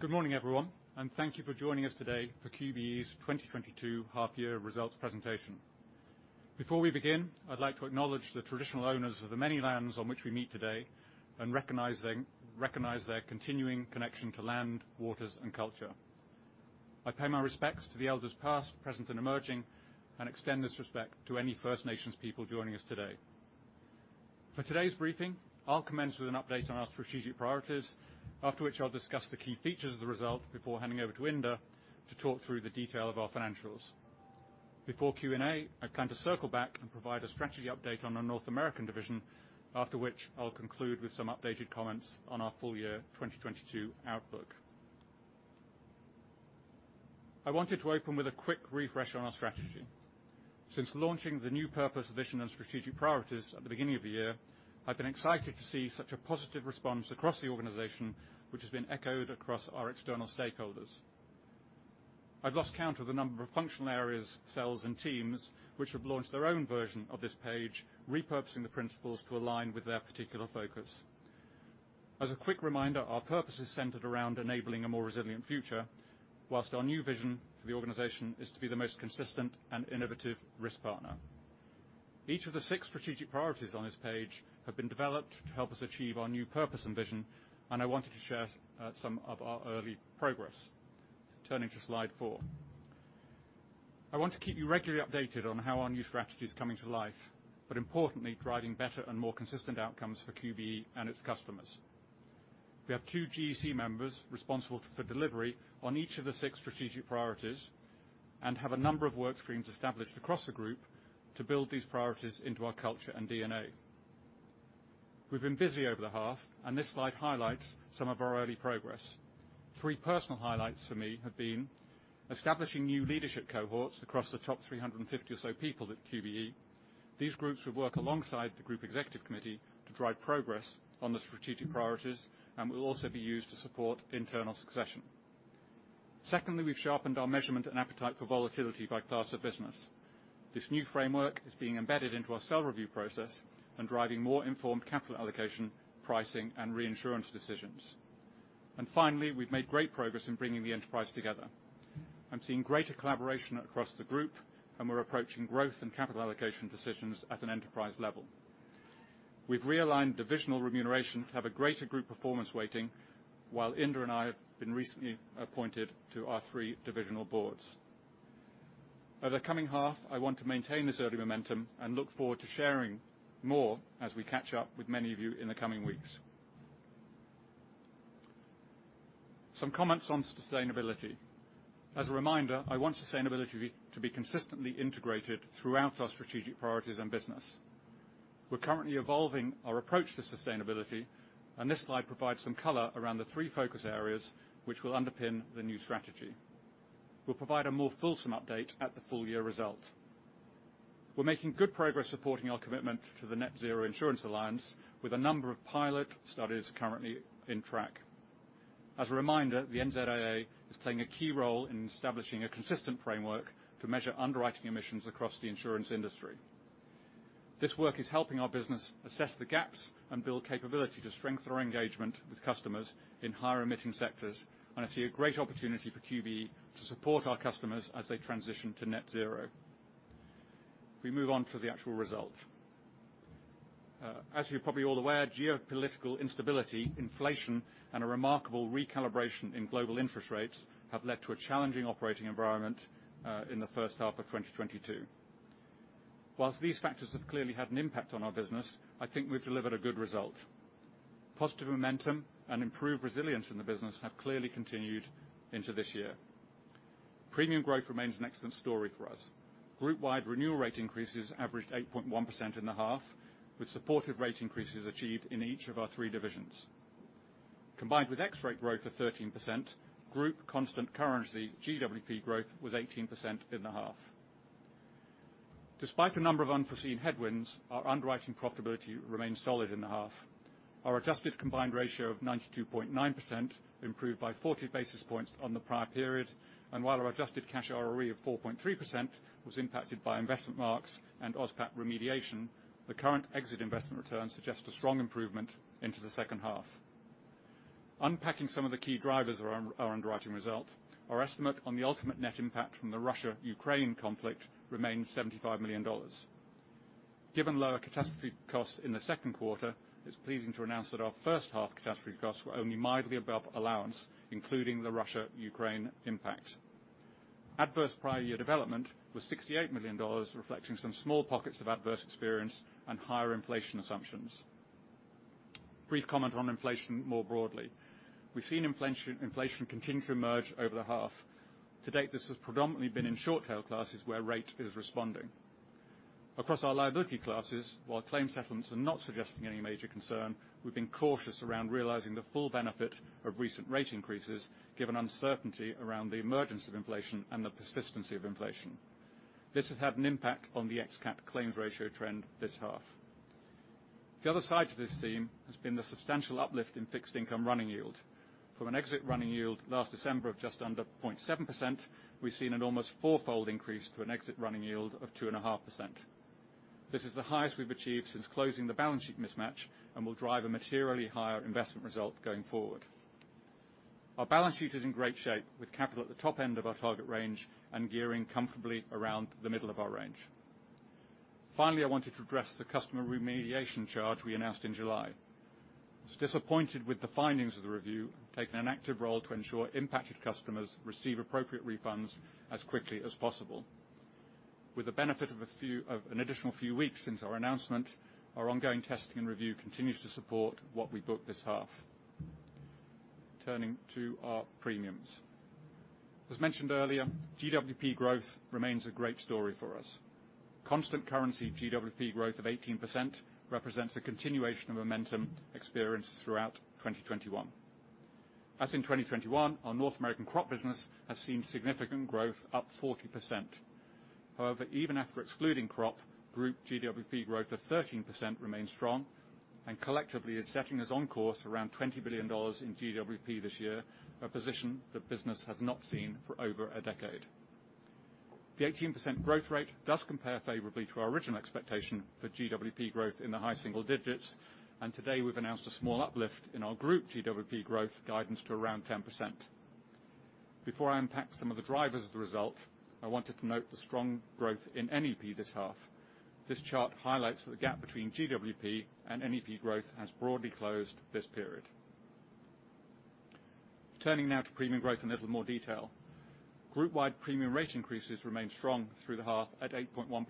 Good morning, everyone, and thank you for joining us today for QBE's 2022 half year results presentation. Before we begin, I'd like to acknowledge the traditional owners of the many lands on which we meet today and recognize their continuing connection to land, waters, and culture. I pay my respects to the elders past, present, and emerging, and extend this respect to any First Nations people joining us today. For today's briefing, I'll commence with an update on our strategic priorities. After which, I'll discuss the key features of the result before handing over to Inder to talk through the detail of our financials. Before Q&A, I plan to circle back and provide a strategy update on our North American division. After which, I'll conclude with some updated comments on our full year 2022 outlook. I wanted to open with a quick refresh on our strategy. Since launching the new purpose, vision, and strategic priorities at the beginning of the year, I've been excited to see such a positive response across the organization, which has been echoed across our external stakeholders. I'd lost count of the number of functional areas, cells, and teams which have launched their own version of this page, repurposing the principles to align with their particular focus. As a quick reminder, our purpose is centered around enabling a more resilient future, while our new vision for the organization is to be the most consistent and innovative risk partner. Each of the six strategic priorities on this page have been developed to help us achieve our new purpose and vision, and I wanted to share some of our early progress. Turning to slide 4. I want to keep you regularly updated on how our new strategy is coming to life, but importantly, driving better and more consistent outcomes for QBE and its customers. We have two GEC members responsible for delivery on each of the six strategic priorities and have a number of work streams established across the group to build these priorities into our culture and DNA. We've been busy over the half, and this slide highlights some of our early progress. Three personal highlights for me have been establishing new leadership cohorts across the top 350 of people at QBE. These groups will work alongside the group executive committee to drive progress on the strategic priorities and will also be used to support internal succession. Secondly, we've sharpened our measurement and appetite for volatility by class of business. This new framework is being embedded into our cell review process and driving more informed capital allocation, pricing, and reinsurance decisions. Finally, we've made great progress in bringing the enterprise together. I'm seeing greater collaboration across the group, and we're approaching growth and capital allocation decisions at an enterprise level. We've realigned divisional remuneration to have a greater group performance weighting, while Inder and I have been recently appointed to our three divisional boards. Over the coming half, I want to maintain this early momentum and look forward to sharing more as we catch up with many of you in the coming weeks. Some comments on sustainability. As a reminder, I want sustainability to be consistently integrated throughout our strategic priorities and business. We're currently evolving our approach to sustainability, and this slide provides some color around the three focus areas which will underpin the new strategy. We'll provide a more fulsome update at the full year result. We're making good progress supporting our commitment to the Net-Zero Insurance Alliance with a number of pilot studies currently on track. As a reminder, the NZIA is playing a key role in establishing a consistent framework to measure underwriting emissions across the insurance industry. This work is helping our business assess the gaps and build capability to strengthen our engagement with customers in higher emitting sectors. I see a great opportunity for QBE to support our customers as they transition to net zero. We move on to the actual result. As you're probably all aware, geopolitical instability, inflation, and a remarkable recalibration in global interest rates have led to a challenging operating environment in the first half of 2022. While these factors have clearly had an impact on our business, I think we've delivered a good result. Positive momentum and improved resilience in the business have clearly continued into this year. Premium growth remains an excellent story for us. Group-wide renewal rate increases averaged 8.1% in the half, with supportive rate increases achieved in each of our three divisions. Combined with ex-rate growth of 13%, group constant currency GWP growth was 18% in the half. Despite a number of unforeseen headwinds, our underwriting profitability remained solid in the half. Our adjusted combined ratio of 92.9% improved by 40 basis points on the prior period. While our adjusted cash ROE of 4.3% was impacted by investment marks and OSPAT remediation, the current exit investment returns suggest a strong improvement into the second half. Unpacking some of the key drivers around our underwriting result, our estimate on the ultimate net impact from the Russia-Ukraine conflict remains $75 million. Given lower catastrophe costs in the second quarter, it's pleasing to announce that our first half catastrophe costs were only mildly above allowance, including the Russia-Ukraine impact. Adverse prior year development was $68 million, reflecting some small pockets of adverse experience and higher inflation assumptions. Brief comment on inflation more broadly. We've seen inflation continue to emerge over the half. To date, this has predominantly been in short tail classes where rate is responding. Across our liability classes, while claim settlements are not suggesting any major concern, we've been cautious around realizing the full benefit of recent rate increases given uncertainty around the emergence of inflation and the persistency of inflation. This has had an impact on the ex cat claims ratio trend this half. The other side to this theme has been the substantial uplift in fixed income running yield. From an exit running yield last December of just under 0.7%, we've seen an almost four-fold increase to an exit running yield of 2.5%. This is the highest we've achieved since closing the balance sheet mismatch, and will drive a materially higher investment result going forward. Our balance sheet is in great shape, with capital at the top end of our target range and gearing comfortably around the middle of our range. Finally, I wanted to address the customer remediation charge we announced in July. I was disappointed with the findings of the review, taking an active role to ensure impacted customers receive appropriate refunds as quickly as possible. With the benefit of an additional few weeks since our announcement, our ongoing testing and review continues to support what we book this half. Turning to our premiums. As mentioned earlier, GWP growth remains a great story for us. Constant currency GWP growth of 18% represents a continuation of momentum experienced throughout 2021. As in 2021, our North American crop business has seen significant growth, up 40%. However, even after excluding crop, group GWP growth of 13% remains strong, and collectively is setting us on course around $20 billion in GWP this year, a position the business has not seen for over a decade. The 18% growth rate does compare favorably to our original expectation for GWP growth in the high single digits, and today we've announced a small uplift in our group GWP growth guidance to around 10%. Before I unpack some of the drivers of the result, I wanted to note the strong growth in NEP this half. This chart highlights that the gap between GWP and NEP growth has broadly closed this period. Turning now to premium growth in a little more detail. Group-wide premium rate increases remain strong through the half at 8.1%.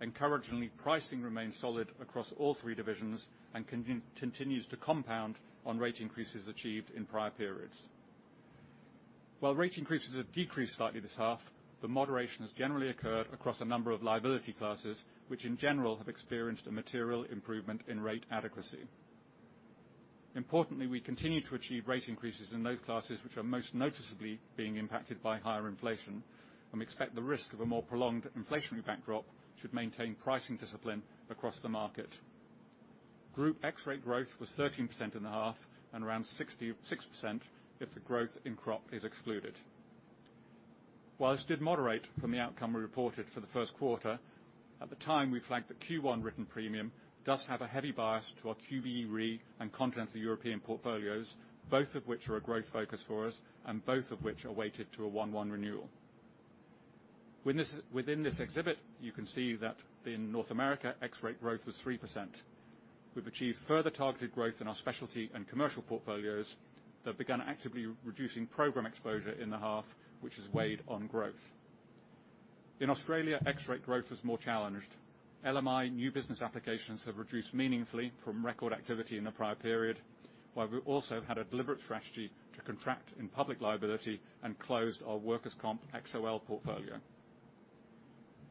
Encouragingly, pricing remains solid across all three divisions and continues to compound on rate increases achieved in prior periods. While rate increases have decreased slightly this half, the moderation has generally occurred across a number of liability classes, which in general have experienced a material improvement in rate adequacy. Importantly, we continue to achieve rate increases in those classes which are most noticeably being impacted by higher inflation, and we expect the risk of a more prolonged inflationary backdrop should maintain pricing discipline across the market. Group ex-rate growth was 13% in the half and around 66% if the growth in crop is excluded. While this did moderate from the outcome we reported for the first quarter, at the time we flagged that Q1 written premium does have a heavy bias to our QBE Re and Continental European portfolios, both of which are a growth focus for us, and both of which are weighted to a 1-1 renewal. Within this exhibit, you can see that in North America, ex-rate growth was 3%. We've achieved further targeted growth in our specialty and commercial portfolios that began actively reducing program exposure in the half, which has weighed on growth. In Australia, ex-rate growth was more challenged. LMI new business applications have reduced meaningfully from record activity in the prior period, while we also had a deliberate strategy to contract in public liability and closed our workers' comp XOL portfolio.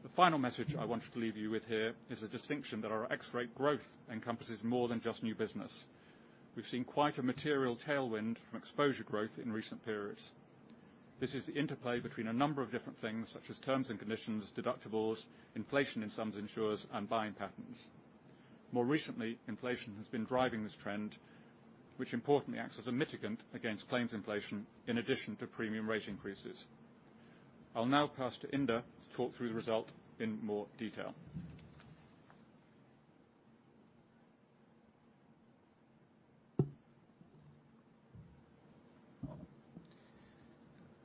The final message I want to leave you with here is the distinction that our ex-rate growth encompasses more than just new business. We've seen quite a material tailwind from exposure growth in recent periods. This is the interplay between a number of different things, such as terms and conditions, deductibles, inflation in some insurers, and buying patterns. More recently, inflation has been driving this trend, which importantly acts as a mitigant against claims inflation in addition to premium rate increases. I'll now pass to Inder to talk through the result in more detail.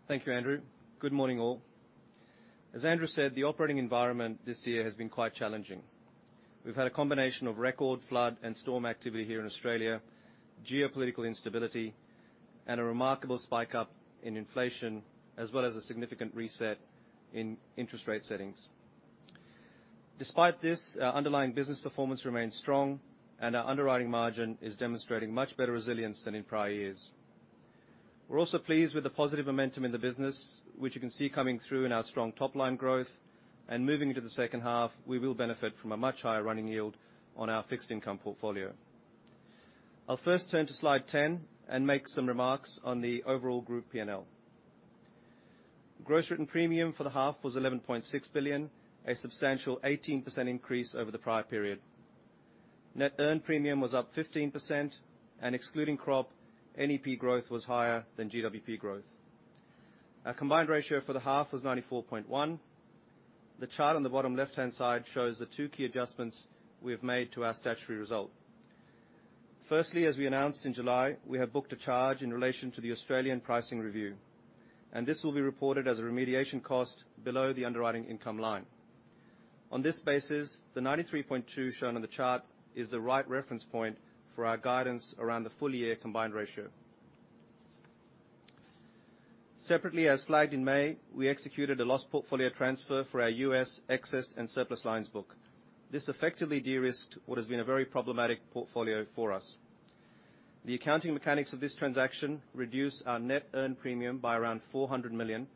Thank you, Andrew. Good morning, all. As Andrew said, the operating environment this year has been quite challenging. We've had a combination of record flood and storm activity here in Australia, geopolitical instability, and a remarkable spike up in inflation, as well as a significant reset in interest rate settings. Despite this, our underlying business performance remains strong, and our underwriting margin is demonstrating much better resilience than in prior years. We're also pleased with the positive momentum in the business, which you can see coming through in our strong top-line growth. Moving into the second half, we will benefit from a much higher running yield on our fixed income portfolio. I'll first turn to slide 10 and make some remarks on the overall group P&L. Gross written premium for the half was $11.6 billion, a substantial 18% increase over the prior period. Net earned premium was up 15%, and excluding crop, NEP growth was higher than GWP growth. Our combined ratio for the half was 94.1. The chart on the bottom left-hand side shows the two key adjustments we have made to our statutory result. Firstly, as we announced in July, we have booked a charge in relation to the Australian pricing review, and this will be reported as a remediation cost below the underwriting income line. On this basis, the 93.2 shown on the chart is the right reference point for our guidance around the full year combined ratio. Separately, as flagged in May, we executed a loss portfolio transfer for our U.S. excess and surplus lines book. This effectively de-risked what has been a very problematic portfolio for us. The accounting mechanics of this transaction reduced our net earned premium by around $400 million,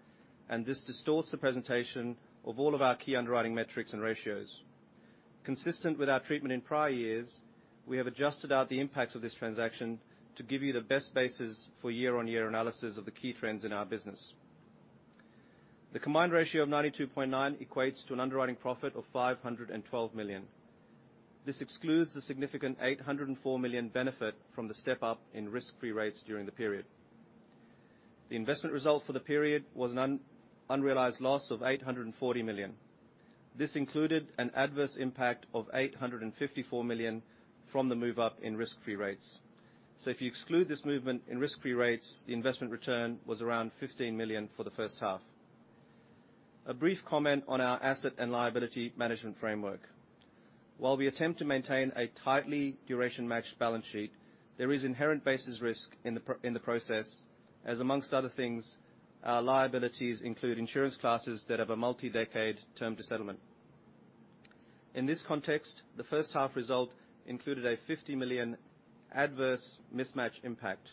and this distorts the presentation of all of our key underwriting metrics and ratios. Consistent with our treatment in prior years, we have adjusted out the impacts of this transaction to give you the best basis for year-on-year analysis of the key trends in our business. The combined ratio of 92.9% equates to an underwriting profit of $512 million. This excludes the significant $804 million benefit from the step up in risk-free rates during the period. The investment result for the period was an unrealized loss of $840 million. This included an adverse impact of $854 million from the move up in risk-free rates. If you exclude this movement in risk-free rates, the investment return was around $15 million for the first half. A brief comment on our asset and liability management framework. While we attempt to maintain a tightly duration matched balance sheet, there is inherent basis risk in the process as among other things, our liabilities include insurance classes that have a multi-decade term to settlement. In this context, the first half result included a $50 million adverse mismatch impact,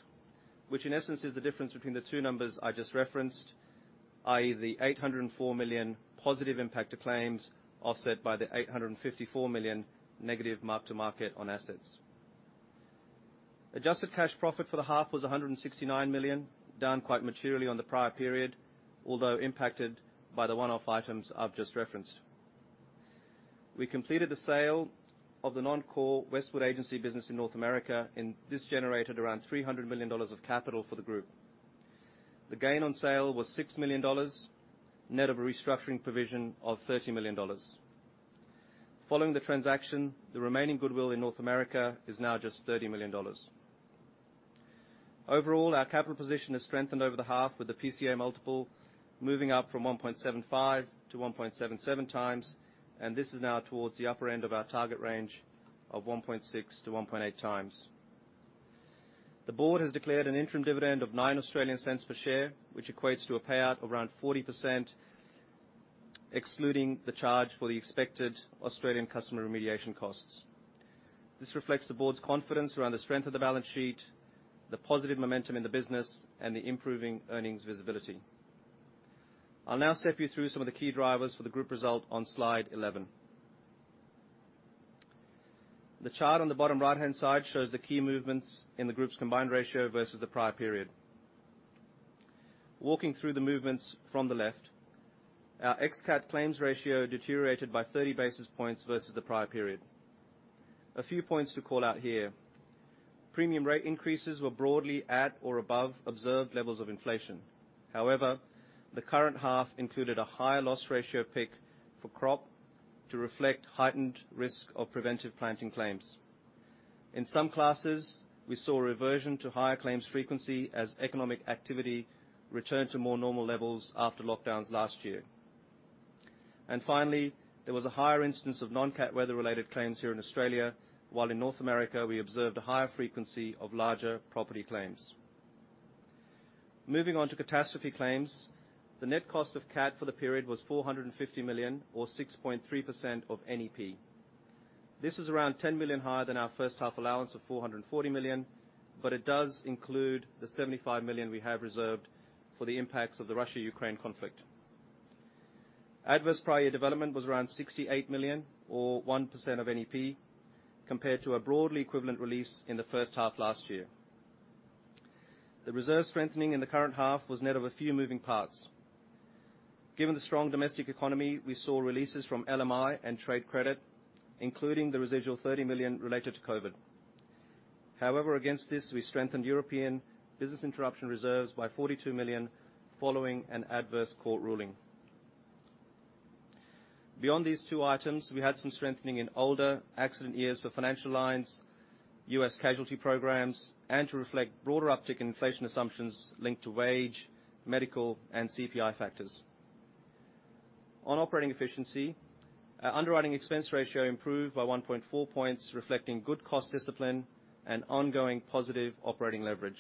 which in essence is the difference between the two numbers I just referenced, i.e. the $804 million positive impact to claims, offset by the $854 million negative mark to market on assets. Adjusted cash profit for the half was $169 million, down quite materially on the prior period, although impacted by the one-off items I've just referenced. We completed the sale of the non-core Westwood Insurance Agency business in North America, and this generated around $300 million of capital for the group. The gain on sale was $6 million, net of a restructuring provision of $30 million. Following the transaction, the remaining goodwill in North America is now just $30 million. Overall, our capital position has strengthened over the half with the PCA multiple moving up from 1.75x to 1.77x, and this is now towards the upper end of our target range of 1.6x-1.8x. The board has declared an interim dividend of 0.09 per share, which equates to a payout of around 40% excluding the charge for the expected Australian customer remediation costs. This reflects the board's confidence around the strength of the balance sheet, the positive momentum in the business, and the improving earnings visibility. I'll now step you through some of the key drivers for the group result on slide 11. The chart on the bottom right-hand side shows the key movements in the group's combined ratio versus the prior period. Walking through the movements from the left, our ex cat claims ratio deteriorated by 30 basis points versus the prior period. A few points to call out here. Premium rate increases were broadly at or above observed levels of inflation. However, the current half included a higher loss ratio pick for crop to reflect heightened risk of preventive planting claims. In some classes, we saw a reversion to higher claims frequency as economic activity returned to more normal levels after lockdowns last year. Finally, there was a higher instance of non-cat weather-related claims here in Australia, while in North America, we observed a higher frequency of larger property claims. Moving on to catastrophe claims, the net cost of cat for the period was $450 million or 6.3% of NEP. This is around $10 million higher than our first half allowance of $440 million, but it does include the $75 million we have reserved for the impacts of the Russia-Ukraine conflict. Adverse prior year development was around $68 million or 1% of NEP, compared to a broadly equivalent release in the first half last year. The reserve strengthening in the current half was net of a few moving parts. Given the strong domestic economy, we saw releases from LMI and trade credit, including the residual $30 million related to COVID. However, against this, we strengthened European business interruption reserves by $42 million following an adverse court ruling. Beyond these two items, we had some strengthening in older accident years for financial lines, U.S. casualty programs, and to reflect broader uptick in inflation assumptions linked to wage, medical, and CPI factors. On operating efficiency, our underwriting expense ratio improved by 1.4 points, reflecting good cost discipline and ongoing positive operating leverage.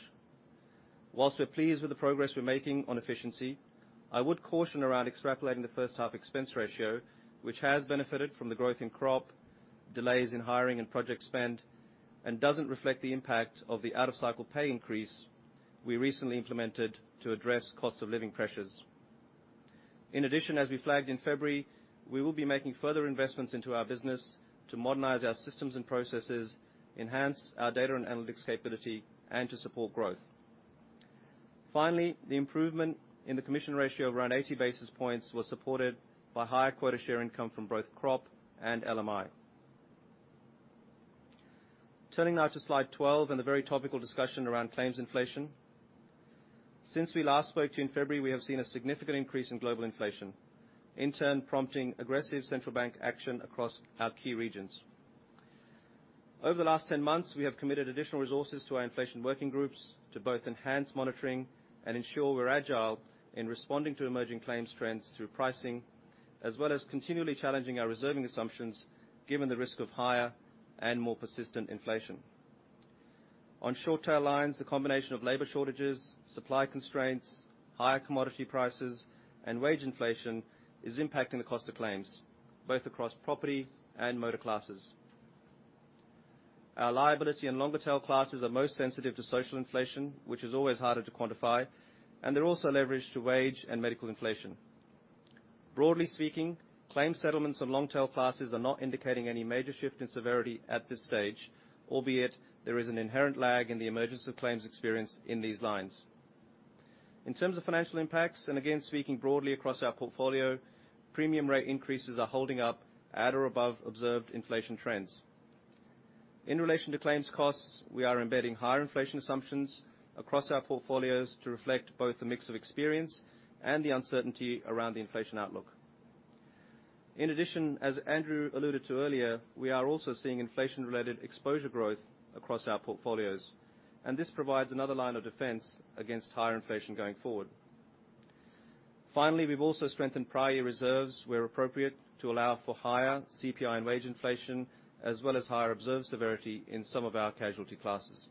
While we're pleased with the progress we're making on efficiency, I would caution around extrapolating the first half expense ratio, which has benefited from the growth in crop, delays in hiring and project spend, and doesn't reflect the impact of the out of cycle pay increase we recently implemented to address cost of living pressures. In addition, as we flagged in February, we will be making further investments into our business to modernize our systems and processes, enhance our data and analytics capability, and to support growth. Finally, the improvement in the commission ratio of around 80 basis points was supported by higher quota share income from both crop and LMI. Turning now to slide 12 and a very topical discussion around claims inflation. Since we last spoke to you in February, we have seen a significant increase in global inflation, in turn prompting aggressive central bank action across our key regions. Over the last 10 months, we have committed additional resources to our inflation working groups to both enhance monitoring and ensure we're agile in responding to emerging claims trends through pricing, as well as continually challenging our reserving assumptions given the risk of higher and more persistent inflation. On short tail lines, the combination of labor shortages, supply constraints, higher commodity prices, and wage inflation is impacting the cost of claims both across property and motor classes. Our liability and longer tail classes are most sensitive to social inflation, which is always harder to quantify, and they're also leveraged to wage and medical inflation. Broadly speaking, claim settlements on long tail classes are not indicating any major shift in severity at this stage, albeit there is an inherent lag in the emergence of claims experience in these lines. In terms of financial impacts, and again speaking broadly across our portfolio, premium rate increases are holding up at or above observed inflation trends. In relation to claims costs, we are embedding higher inflation assumptions across our portfolios to reflect both the mix of experience and the uncertainty around the inflation outlook. In addition, as Andrew alluded to earlier, we are also seeing inflation related exposure growth across our portfolios, and this provides another line of defense against higher inflation going forward. Finally, we've also strengthened prior year reserves where appropriate, to allow for higher CPI and wage inflation, as well as higher observed severity in some of our casualty classes.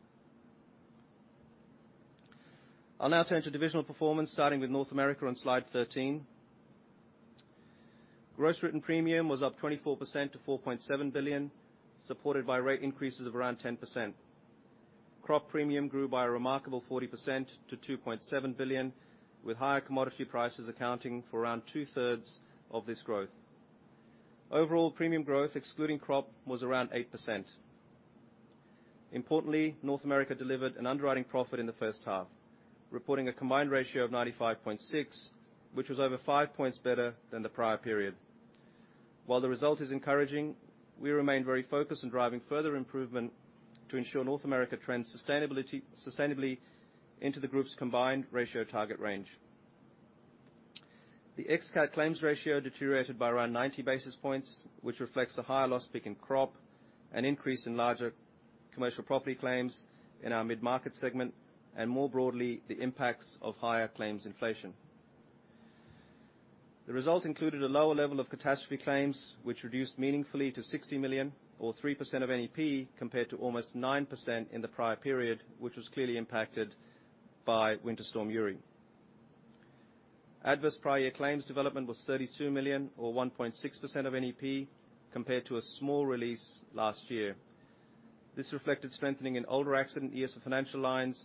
I'll now turn to divisional performance, starting with North America on slide 13. Gross written premium was up 24% to $4.7 billion, supported by rate increases of around 10%. Crop premium grew by a remarkable 40% to $2.7 billion, with higher commodity prices accounting for around two-thirds of this growth. Overall premium growth excluding crop was around 8%. Importantly, North America delivered an underwriting profit in the first half, reporting a combined ratio of 95.6, which was over 5 points better than the prior period. While the result is encouraging, we remain very focused on driving further improvement to ensure North America trends sustainably into the group's combined ratio target range. The ex-cat claims ratio deteriorated by around 90 basis points, which reflects a higher loss peak in crop, an increase in larger commercial property claims in our mid-market segment, and more broadly, the impacts of higher claims inflation. The result included a lower level of catastrophe claims, which reduced meaningfully to $60 million or 3% of NEP compared to almost 9% in the prior period, which was clearly impacted by Winter Storm Uri. Adverse prior year claims development was $32 million or 1.6% of NEP compared to a small release last year. This reflected strengthening in older accident years of financial lines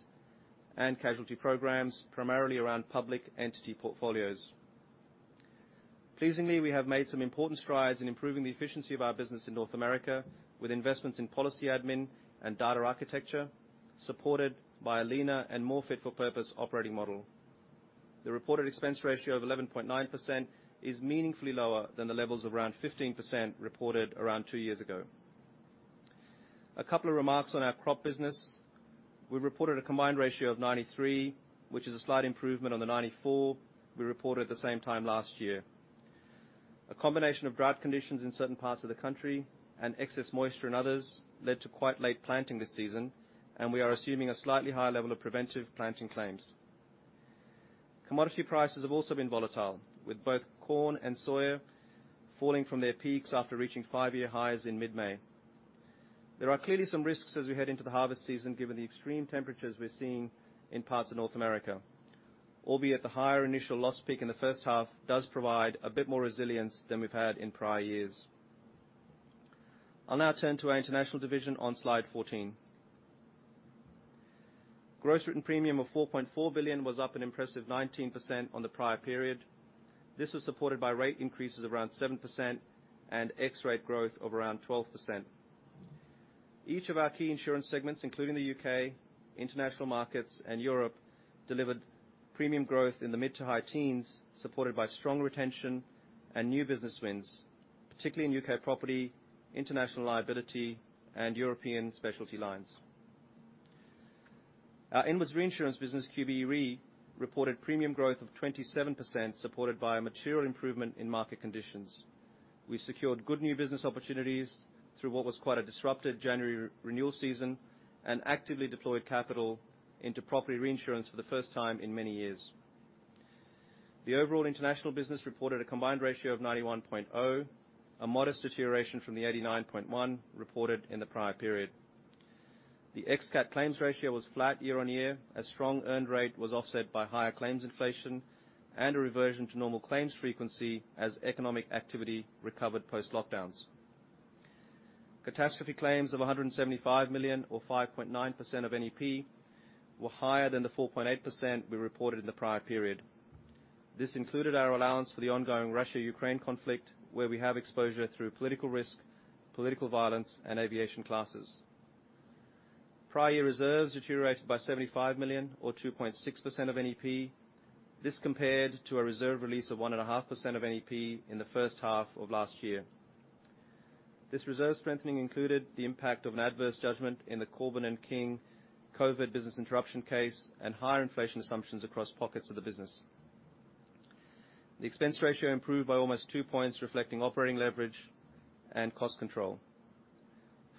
and casualty programs, primarily around public entity portfolios. Pleasingly, we have made some important strides in improving the efficiency of our business in North America with investments in policy admin and data architecture, supported by a leaner and more fit for purpose operating model. The reported expense ratio of 11.9% is meaningfully lower than the levels of around 15% reported around two years ago. A couple of remarks on our crop business. We reported a combined ratio of 93, which is a slight improvement on the 94 we reported at the same time last year. A combination of drought conditions in certain parts of the country and excess moisture in others led to quite late planting this season, and we are assuming a slightly higher level of preventive planting claims. Commodity prices have also been volatile, with both corn and soya falling from their peaks after reaching 5-year highs in mid-May. There are clearly some risks as we head into the harvest season, given the extreme temperatures we're seeing in parts of North America, albeit the higher initial loss peak in the first half does provide a bit more resilience than we've had in prior years. I'll now turn to our international division on slide 14. Gross written premium of $4.4 billion was up an impressive 19% on the prior period. This was supported by rate increases of around 7% and ex rate growth of around 12%. Each of our key insurance segments, including the UK, international markets, and Europe, delivered premium growth in the mid- to high-teens%, supported by strong retention and new business wins, particularly in UK property, international liability, and European specialty lines. Our inwards reinsurance business, QBE Re, reported premium growth of 27%, supported by a material improvement in market conditions. We secured good new business opportunities through what was quite a disrupted January re-renewal season and actively deployed capital into property reinsurance for the first time in many years. The overall international business reported a combined ratio of 91.0, a modest deterioration from the 89.1 reported in the prior period. The ex-cat claims ratio was flat year-on-year as strong earned rate was offset by higher claims inflation and a reversion to normal claims frequency as economic activity recovered post-lockdowns. Catastrophe claims of $175 million or 5.9% of NEP were higher than the 4.8% we reported in the prior period. This included our allowance for the ongoing Russia-Ukraine conflict, where we have exposure through political risk, political violence, and aviation classes. Prior year reserves deteriorated by $75 million or 2.6% of NEP. This compared to a reserve release of 1.5% of NEP in the first half of last year. This reserve strengthening included the impact of an adverse judgment in the Corbin and King COVID business interruption case and higher inflation assumptions across pockets of the business. The expense ratio improved by almost 2 points, reflecting operating leverage and cost control.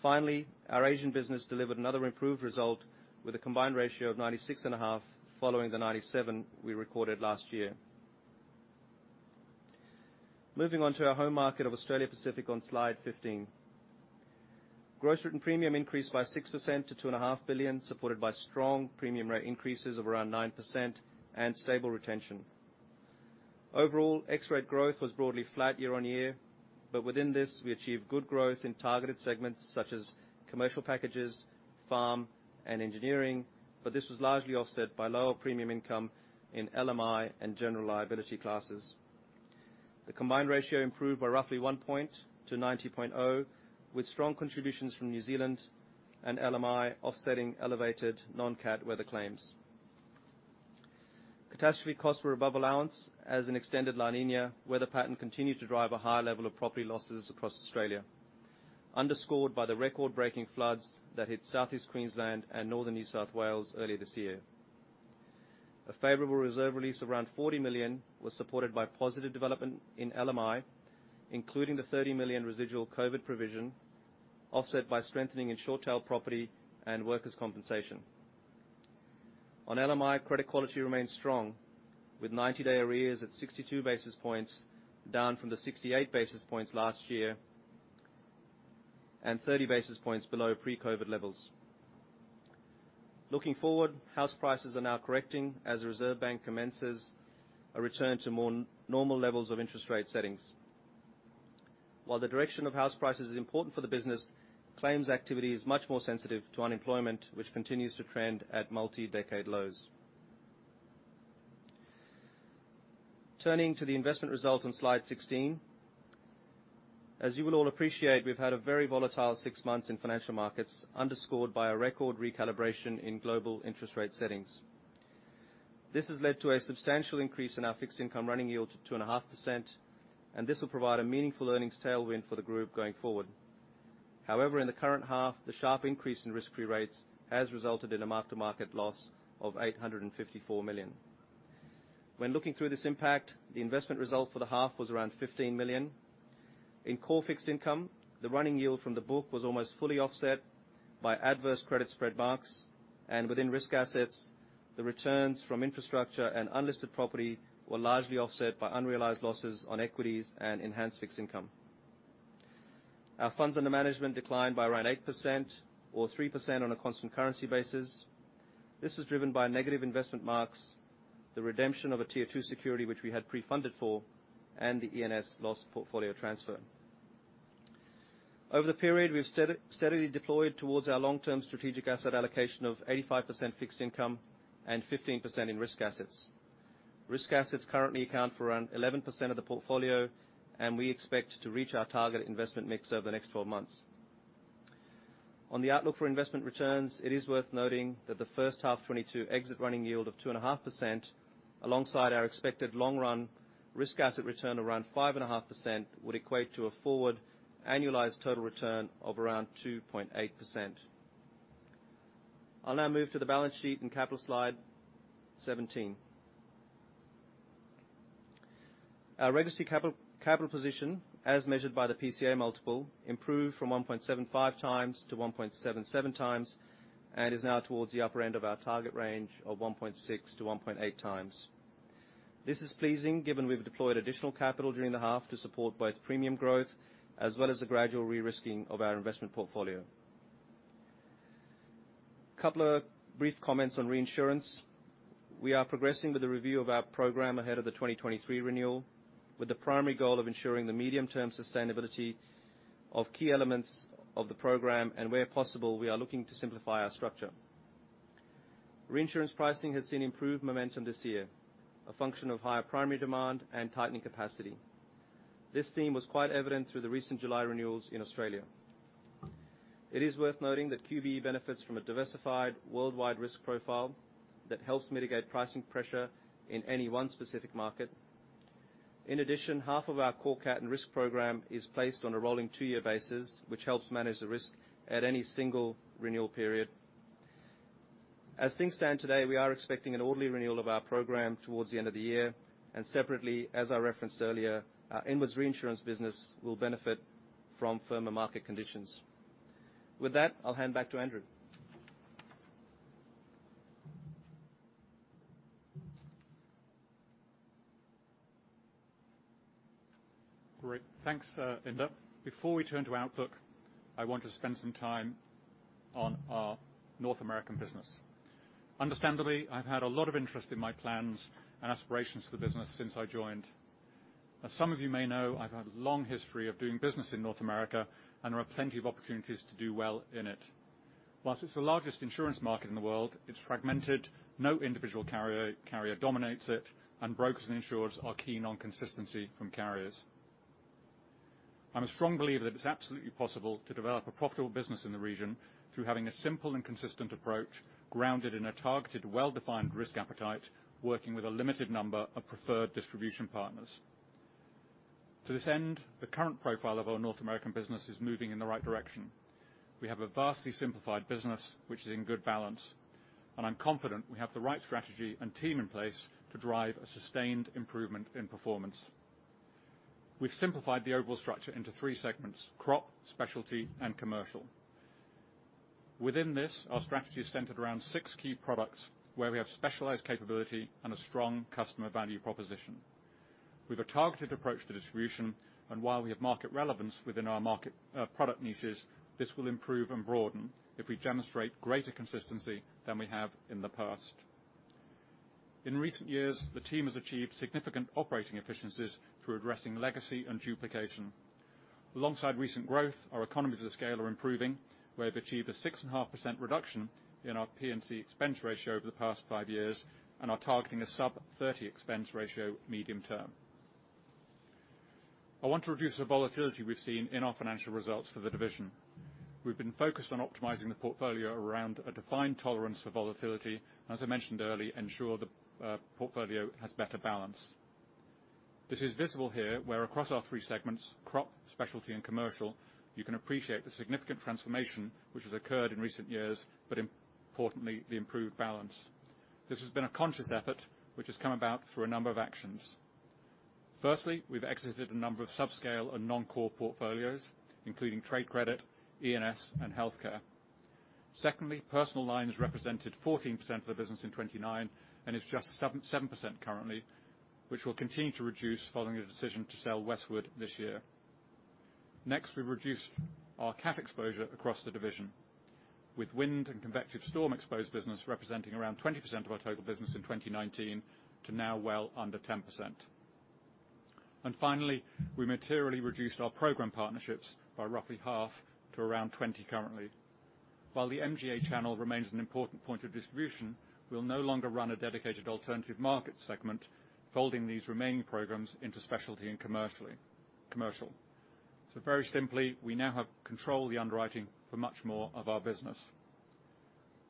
Finally, our Asian business delivered another improved result with a combined ratio of 96.5 following the 97 we recorded last year. Moving on to our home market of Australia Pacific on slide 15. Gross written premium increased by 6% to $2.5 billion, supported by strong premium rate increases of around 9% and stable retention. Overall, ex-rate growth was broadly flat year-on-year. Within this, we achieved good growth in targeted segments such as commercial packages, farm, and engineering, but this was largely offset by lower premium income in LMI and general liability classes. The combined ratio improved by roughly 1 point to 90.0, with strong contributions from New Zealand and LMI offsetting elevated non-cat weather claims. Catastrophe costs were above allowance as an extended La Niña weather pattern continued to drive a high level of property losses across Australia, underscored by the record-breaking floods that hit Southeast Queensland and Northern New South Wales earlier this year. A favorable reserve release around 40 million was supported by positive development in LMI, including the 30 million residual COVID provision, offset by strengthening in short tail property and workers' compensation. On LMI, credit quality remains strong, with 90-day arrears at 62 basis points, down from the 68 basis points last year, and 30 basis points below pre-COVID levels. Looking forward, house prices are now correcting as the Reserve Bank commences a return to more normal levels of interest rate settings. While the direction of house prices is important for the business, claims activity is much more sensitive to unemployment, which continues to trend at multi-decade lows. Turning to the investment result on slide 16. As you will all appreciate, we've had a very volatile six months in financial markets, underscored by a record recalibration in global interest rate settings. This has led to a substantial increase in our fixed income running yield to 2.5%, and this will provide a meaningful earnings tailwind for the group going forward. However, in the current half, the sharp increase in risk-free rates has resulted in a mark-to-market loss of $854 million. When looking through this impact, the investment result for the half was around $15 million. In core fixed income, the running yield from the book was almost fully offset by adverse credit spread marks, and within risk assets, the returns from infrastructure and unlisted property were largely offset by unrealized losses on equities and enhanced fixed income. Our funds under management declined by around 8% or 3% on a constant currency basis. This was driven by negative investment marks, the redemption of a Tier Two security which we had pre-funded for, and the E&S loss portfolio transfer. Over the period, we've steadily deployed towards our long-term strategic asset allocation of 85% fixed income and 15% in risk assets. Risk assets currently account for around 11% of the portfolio, and we expect to reach our target investment mix over the next 12 months. On the outlook for investment returns, it is worth noting that the first half 2022 exit running yield of 2.5%, alongside our expected long run risk asset return around 5.5%, would equate to a forward annualized total return of around 2.8%. I'll now move to the balance sheet and capital slide 17. Our regulatory capital position, as measured by the PCA multiple, improved from 1.75 times to 1.77 times, and is now towards the upper end of our target range of 1.6-1.8 times. This is pleasing given we've deployed additional capital during the half to support both premium growth as well as the gradual re-risking of our investment portfolio. Couple of brief comments on reinsurance. We are progressing with the review of our program ahead of the 2023 renewal, with the primary goal of ensuring the medium-term sustainability of key elements of the program, and where possible, we are looking to simplify our structure. Reinsurance pricing has seen improved momentum this year, a function of higher primary demand and tightening capacity. This theme was quite evident through the recent July renewals in Australia. It is worth noting that QBE benefits from a diversified worldwide risk profile that helps mitigate pricing pressure in any one specific market. In addition, half of our core cat and risk program is placed on a rolling two-year basis, which helps manage the risk at any single renewal period. As things stand today, we are expecting an orderly renewal of our program towards the end of the year, and separately, as I referenced earlier, our inwards reinsurance business will benefit from firmer market conditions. With that, I'll hand back to Andrew. Great. Thanks, Inder. Before we turn to outlook, I want to spend some time on our North American business. Understandably, I've had a lot of interest in my plans and aspirations for the business since I joined. As some of you may know, I've had a long history of doing business in North America, and there are plenty of opportunities to do well in it. While it's the largest insurance market in the world, it's fragmented, no individual carrier dominates it, and brokers and insurers are keen on consistency from carriers. I'm a strong believer that it's absolutely possible to develop a profitable business in the region through having a simple and consistent approach grounded in a targeted, well-defined risk appetite, working with a limited number of preferred distribution partners. To this end, the current profile of our North American business is moving in the right direction. We have a vastly simplified business which is in good balance, and I'm confident we have the right strategy and team in place to drive a sustained improvement in performance. We've simplified the overall structure into three segments: crop, specialty, and commercial. Within this, our strategy is centered around six key products where we have specialized capability and a strong customer value proposition. We've a targeted approach to distribution, and while we have market relevance within our market, product niches, this will improve and broaden if we demonstrate greater consistency than we have in the past. In recent years, the team has achieved significant operating efficiencies through addressing legacy and duplication. Alongside recent growth, our economies of scale are improving. We have achieved a 6.5% reduction in our P&C expense ratio over the past 5 years, and are targeting a sub 30 expense ratio medium term. I want to reduce the volatility we've seen in our financial results for the division. We've been focused on optimizing the portfolio around a defined tolerance for volatility, and as I mentioned earlier, ensure the portfolio has better balance. This is visible here where across our three segments, crop, specialty, and commercial, you can appreciate the significant transformation which has occurred in recent years, but importantly, the improved balance. This has been a conscious effort which has come about through a number of actions. Firstly, we've exited a number of subscale and non-core portfolios, including trade credit, E&S, and healthcare. Secondly, personal lines represented 14% of the business in 2019, and it's just 7% currently, which will continue to reduce following a decision to sell Westwood this year. Next, we reduced our cat exposure across the division, with wind and convective storm exposed business representing around 20% of our total business in 2019 to now well under 10%. Finally, we materially reduced our program partnerships by roughly half to around 20 currently. While the MGA channel remains an important point of distribution, we'll no longer run a dedicated alternative market segment, folding these remaining programs into specialty and commercial. Very simply, we now have control of the underwriting for much more of our business.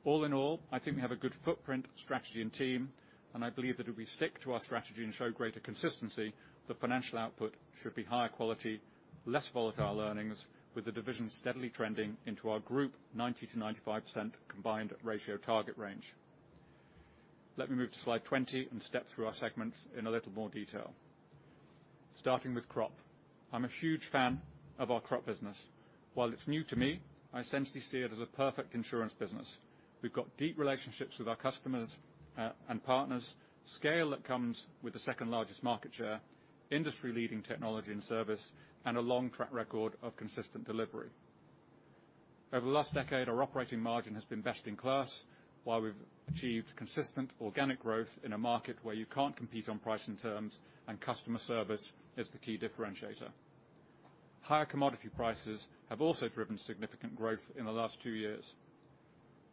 All in all, I think we have a good footprint, strategy, and team, and I believe that if we stick to our strategy and show greater consistency, the financial output should be higher quality, less volatile earnings, with the division steadily trending into our group 90%-95% combined ratio target range. Let me move to slide 20 and step through our segments in a little more detail. Starting with crop. I'm a huge fan of our crop business. While it's new to me, I essentially see it as a perfect insurance business. We've got deep relationships with our customers, and partners, scale that comes with the second largest market share, industry-leading technology and service, and a long track record of consistent delivery. Over the last decade, our operating margin has been best in class, while we've achieved consistent organic growth in a market where you can't compete on price and terms, and customer service is the key differentiator. Higher commodity prices have also driven significant growth in the last 2 years.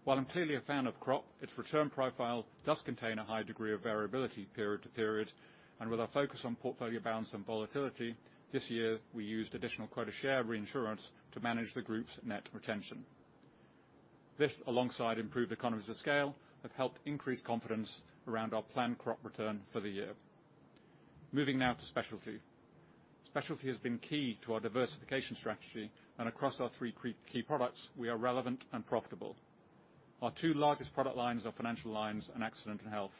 While I'm clearly a fan of crop, its return profile does contain a high degree of variability period to period, and with our focus on portfolio balance and volatility, this year we used additional quota share reinsurance to manage the group's net retention. This, alongside improved economies of scale, have helped increase confidence around our planned crop return for the year. Moving now to specialty. Specialty has been key to our diversification strategy, and across our three key products, we are relevant and profitable. Our two largest product lines are financial lines and accident and health.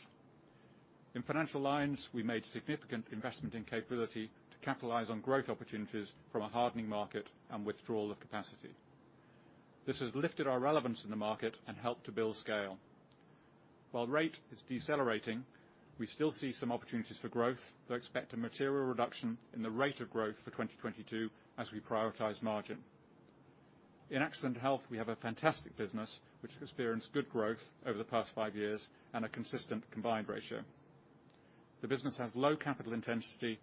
In financial lines, we made significant investment in capability to capitalize on growth opportunities from a hardening market and withdrawal of capacity. This has lifted our relevance in the market and helped to build scale. While rate is decelerating, we still see some opportunities for growth, though expect a material reduction in the rate of growth for 2022 as we prioritize margin. In accident health, we have a fantastic business which has experienced good growth over the past 5 years and a consistent combined ratio. The business has low capital intensity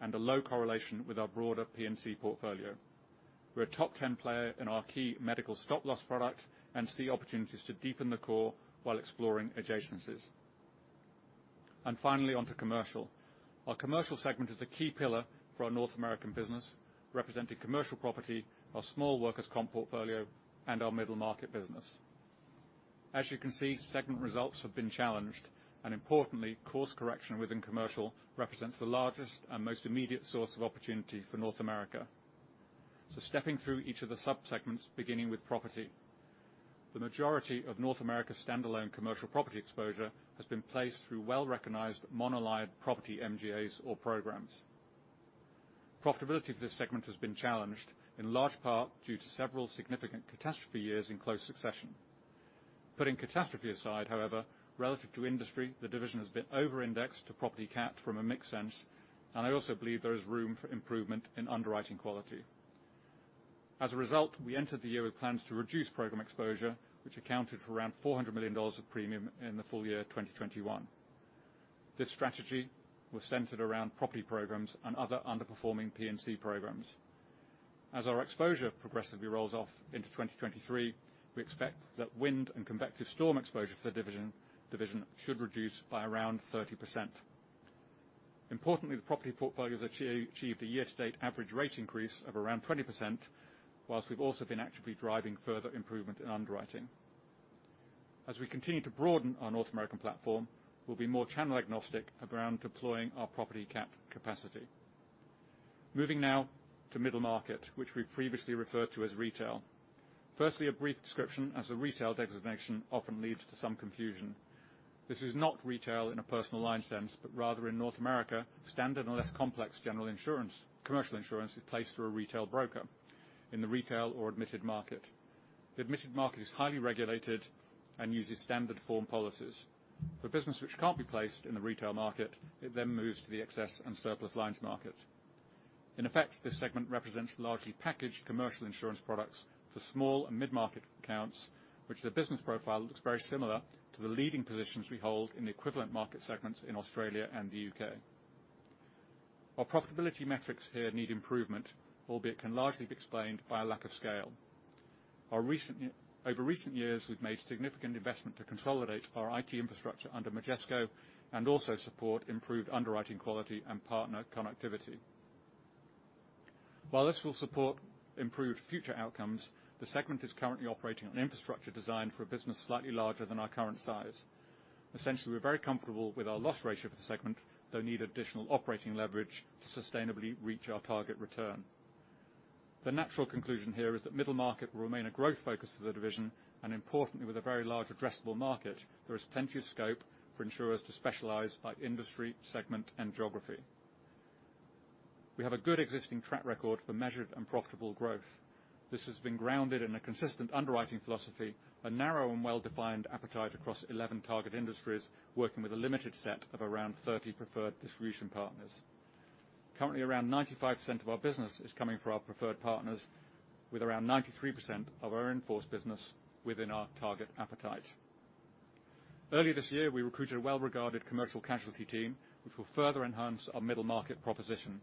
and a low correlation with our broader P&C portfolio. We're a top ten player in our key Medical Stop-Loss product and see opportunities to deepen the core while exploring adjacencies. Finally, onto commercial. Our commercial segment is a key pillar for our North American business, representing commercial property, our small workers' comp portfolio, and our middle market business. As you can see, segment results have been challenged, and importantly, course correction within commercial represents the largest and most immediate source of opportunity for North America. Stepping through each of the subsegments, beginning with property. The majority of North America's standalone commercial property exposure has been placed through well-recognized monoline property MGAs or programs. Profitability of this segment has been challenged in large part due to several significant catastrophe years in close succession. Putting catastrophe aside, however, relative to industry, the division has been over-indexed to property cat from a mix sense, and I also believe there is room for improvement in underwriting quality. As a result, we entered the year with plans to reduce program exposure, which accounted for around $400 million of premium in the full year 2021. This strategy was centered around property programs and other underperforming P&C programs. As our exposure progressively rolls off into 2023, we expect that wind and convective storm exposure for the division should reduce by around 30%. Importantly, the property portfolio has achieved a year-to-date average rate increase of around 20%, while we've also been actively driving further improvement in underwriting. As we continue to broaden our North American platform, we'll be more channel agnostic around deploying our property cat capacity. Moving now to middle market, which we previously referred to as retail. First, a brief description, as the retail designation often leads to some confusion. This is not retail in a personal line sense, but rather in North America, standard and less complex general insurance, commercial insurance is placed through a retail broker in the retail or admitted market. The admitted market is highly regulated and uses standard form policies. For business which can't be placed in the retail market, it then moves to the excess and surplus lines market. In effect, this segment represents largely packaged commercial insurance products for small and mid-market accounts, which the business profile looks very similar to the leading positions we hold in the equivalent market segments in Australia and the UK. Our profitability metrics here need improvement, albeit can largely be explained by a lack of scale. Over recent years, we've made significant investment to consolidate our IT infrastructure under Majesco and also support improved underwriting quality and partner connectivity. While this will support improved future outcomes, the segment is currently operating on infrastructure designed for a business slightly larger than our current size. Essentially, we're very comfortable with our loss ratio for the segment, though need additional operating leverage to sustainably reach our target return. The natural conclusion here is that middle market will remain a growth focus of the division, and importantly, with a very large addressable market, there is plenty of scope for insurers to specialize by industry, segment, and geography. We have a good existing track record for measured and profitable growth. This has been grounded in a consistent underwriting philosophy, a narrow and well-defined appetite across 11 target industries, working with a limited set of around 30 preferred distribution partners. Currently, around 95% of our business is coming from our preferred partners, with around 93% of our in-force business within our target appetite. Earlier this year, we recruited a well-regarded commercial casualty team, which will further enhance our middle market proposition.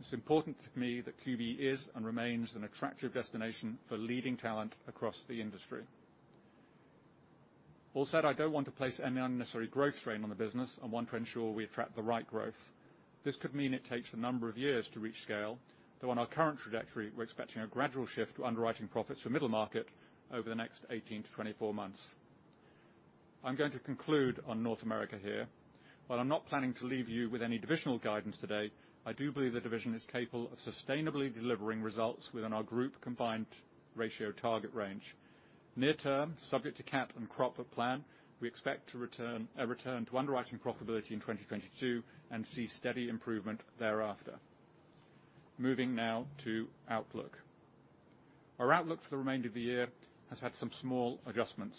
It's important to me that QBE is and remains an attractive destination for leading talent across the industry. All said, I don't want to place any unnecessary growth strain on the business. I want to ensure we attract the right growth. This could mean it takes a number of years to reach scale, though on our current trajectory, we're expecting a gradual shift to underwriting profits for middle market over the next 18 to 24 months. I'm going to conclude on North America here. While I'm not planning to leave you with any divisional guidance today, I do believe the division is capable of sustainably delivering results within our group combined ratio target range. Near term, subject to CAT and crop plan, we expect to return to underwriting profitability in 2022 and see steady improvement thereafter. Moving now to outlook. Our outlook for the remainder of the year has had some small adjustments.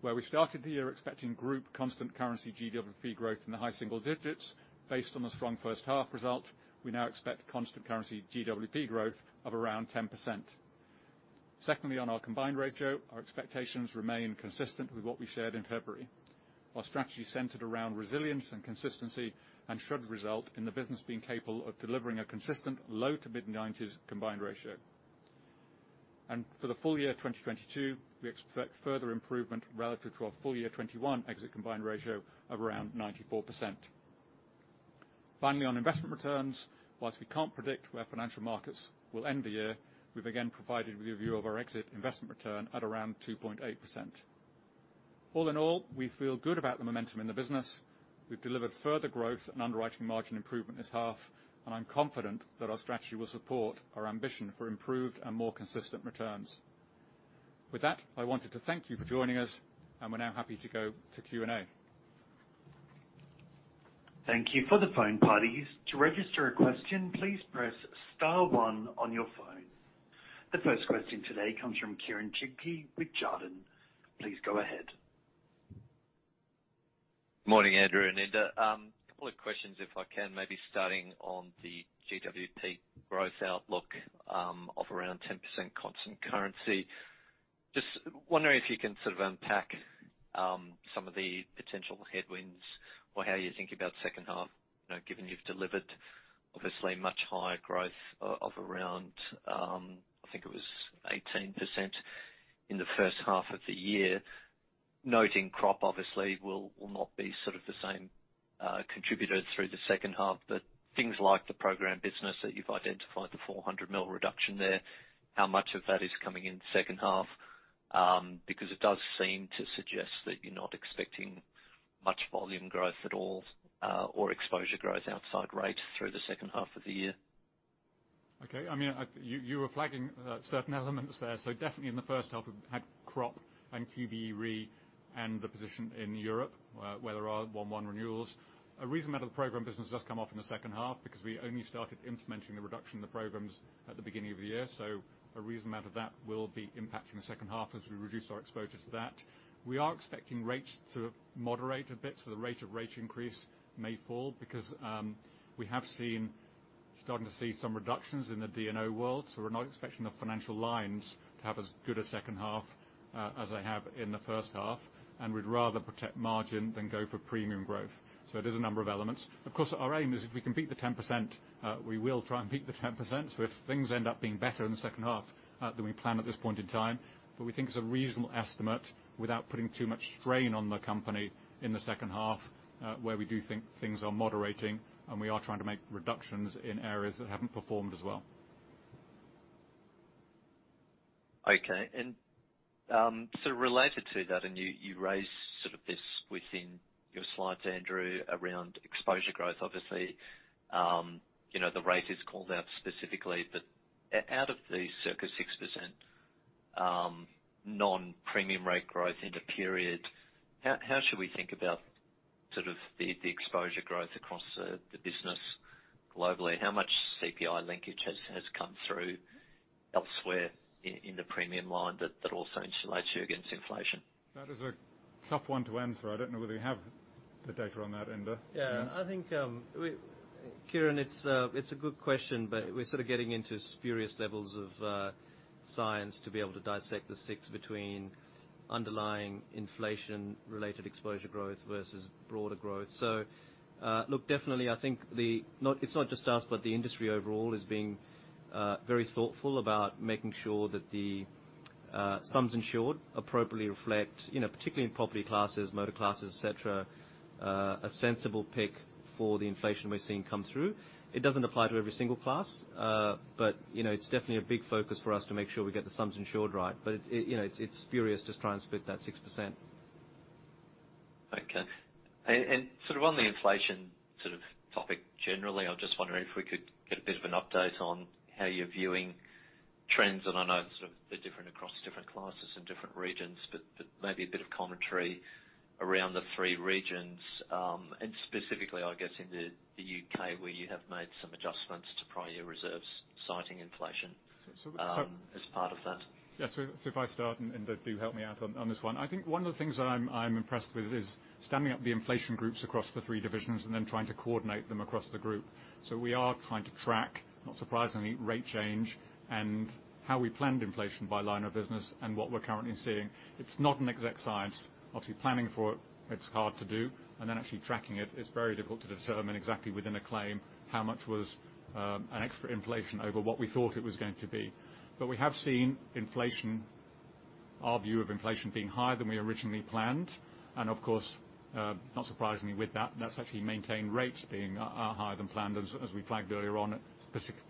Where we started the year expecting group constant currency GWP growth in the high single digits, based on the strong first half results, we now expect constant currency GWP growth of around 10%. Secondly, on our combined ratio, our expectations remain consistent with what we shared in February. Our strategy centered around resilience and consistency and should result in the business being capable of delivering a consistent low- to mid-90s combined ratio. For the full year 2022, we expect further improvement relative to our full year 2021 exit combined ratio of around 94%. Finally, on investment returns, while we can't predict where financial markets will end the year, we've again provided with a view of our exit investment return at around 2.8%. All in all, we feel good about the momentum in the business. We've delivered further growth and underwriting margin improvement this half, and I'm confident that our strategy will support our ambition for improved and more consistent returns. With that, I wanted to thank you for joining us, and we're now happy to go to Q&A. Thank you. For participants, to register a question, please press star one on your phone. The first question today comes from Kieren Chidgey with Jarden. Please go ahead. Morning, Andrew and Inder. Couple of questions, if I can, maybe starting on the GWP growth outlook of around 10% constant currency. Just wondering if you can sort of unpack some of the potential headwinds or how you think about second half, given you've delivered obviously much higher growth of around, I think it was 18% in the first half of the year. Noting crop obviously will not be sort of the same contributor through the second half, but things like the program business that you've identified, the 400 million reduction there, how much of that is coming in the second half? Because it does seem to suggest that you're not expecting much volume growth at all, or exposure growth outside rates through the second half of the year. I mean, you were flagging certain elements there. Definitely in the first half, we've had crop and QBE Re and the position in Europe, where there are Q1 renewals. A reasonable amount of the program business does come off in the second half because we only started implementing the reduction in the programs at the beginning of the year. A reasonable amount of that will be impacting the second half as we reduce our exposure to that. We are expecting rates to moderate a bit, the rate of rate increase may fall because we are starting to see some reductions in the D&O world, we're not expecting the financial lines to have as good a second half as they have in the first half. We'd rather protect margin than go for premium growth. It is a number of elements. Of course, our aim is if we can beat the 10%, we will try and beat the 10%. If things end up being better in the second half than we plan at this point in time, but we think it's a reasonable estimate without putting too much strain on the company in the second half, where we do think things are moderating and we are trying to make reductions in areas that haven't performed as well. Okay. Sort of related to that, you raised sort of this within your slides, Andrew, around exposure growth, obviously. The rate is called out specifically, but out of the circa 6%, non-premium rate growth in the period, how should we think about sort of the exposure growth across the business globally? How much CPI linkage has come through elsewhere in the premium line that also insulates you against inflation? That is a tough one to answer. I don't know whether you have the data on that, Inder? I think Kieren, it's a good question, but we're sort of getting into spurious levels of science to be able to dissect the 6% between underlying inflation-related exposure growth versus broader growth. Look, definitely I think it's not just us, but the industry overall is being very thoughtful about making sure that the sums insured appropriately reflect, particularly in property classes, motor classes, et cetera, a sensible price for the inflation we're seeing come through. It doesn't apply to every single class, but, it's definitely a big focus for us to make sure we get the sums insured right. It, it's spurious just trying to split that 6%. Okay. Sort of on the inflation sort of topic, generally, I'm just wondering if we could get a bit of an update on how you're viewing trends, and I know sort of they're different across different classes and different regions, but maybe a bit of commentary around the three regions. And specifically I guess in the UK where you have made some adjustments to prior year reserves, citing inflation. As part of that. If I start, Inder, do help me out on this one. I think one of the things that I'm impressed with is standing up the inflation groups across the three divisions and then trying to coordinate them across the group. We are trying to track, not surprisingly, rate change and how we planned inflation by line of business and what we're currently seeing. It's not an exact science. Obviously planning for it's hard to do, and then actually tracking it's very difficult to determine exactly within a claim how much was an extra inflation over what we thought it was going to be. We have seen inflation, our view of inflation being higher than we originally planned. Of course, not surprisingly with that's actually maintained rates being higher than planned, as we flagged earlier on,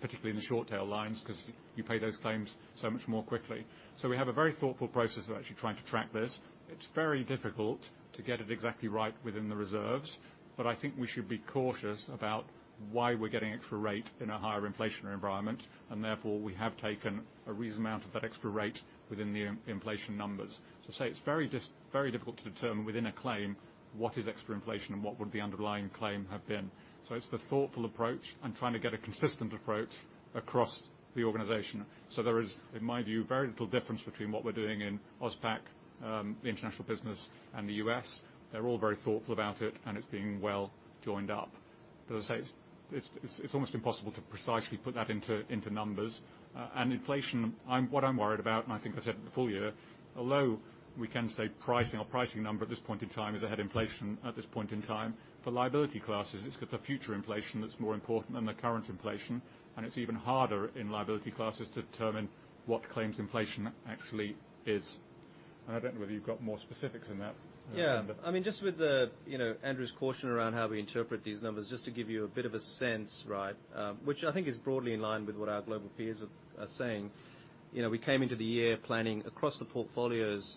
particularly in the short tail lines, 'cause you pay those claims much more quickly. We have a very thoughtful process of actually trying to track this. It's very difficult to get it exactly right within the reserves, but I think we should be cautious about why we're getting extra rate in a higher inflationary environment. Therefore, we have taken a reasonable amount of that extra rate within the inflation numbers. To say it's very difficult to determine within a claim what is extra inflation and what would the underlying claim have been. It's the thoughtful approach and trying to get a consistent approach across the organization. There is, in my view, very little difference between what we're doing in AusPac, the international business, and the US. They're all very thoughtful about it, and it's being well joined up. As I say, it's almost impossible to precisely put that into numbers. And inflation, what I'm worried about, and I think I said it in the full year, although we can say pricing number at this point in time is ahead of inflation at this point in time, for liability classes, it's the future inflation that's more important than the current inflation. It's even harder in liability classes to determine what claims inflation actually is. I don't know whether you've got more specifics in that, Inder. I mean, just with the, Andrew's caution around how we interpret these numbers, just to give you a bit of a sense, right? Which I think is broadly in line with what our global peers are saying, We came into the year planning across the portfolios,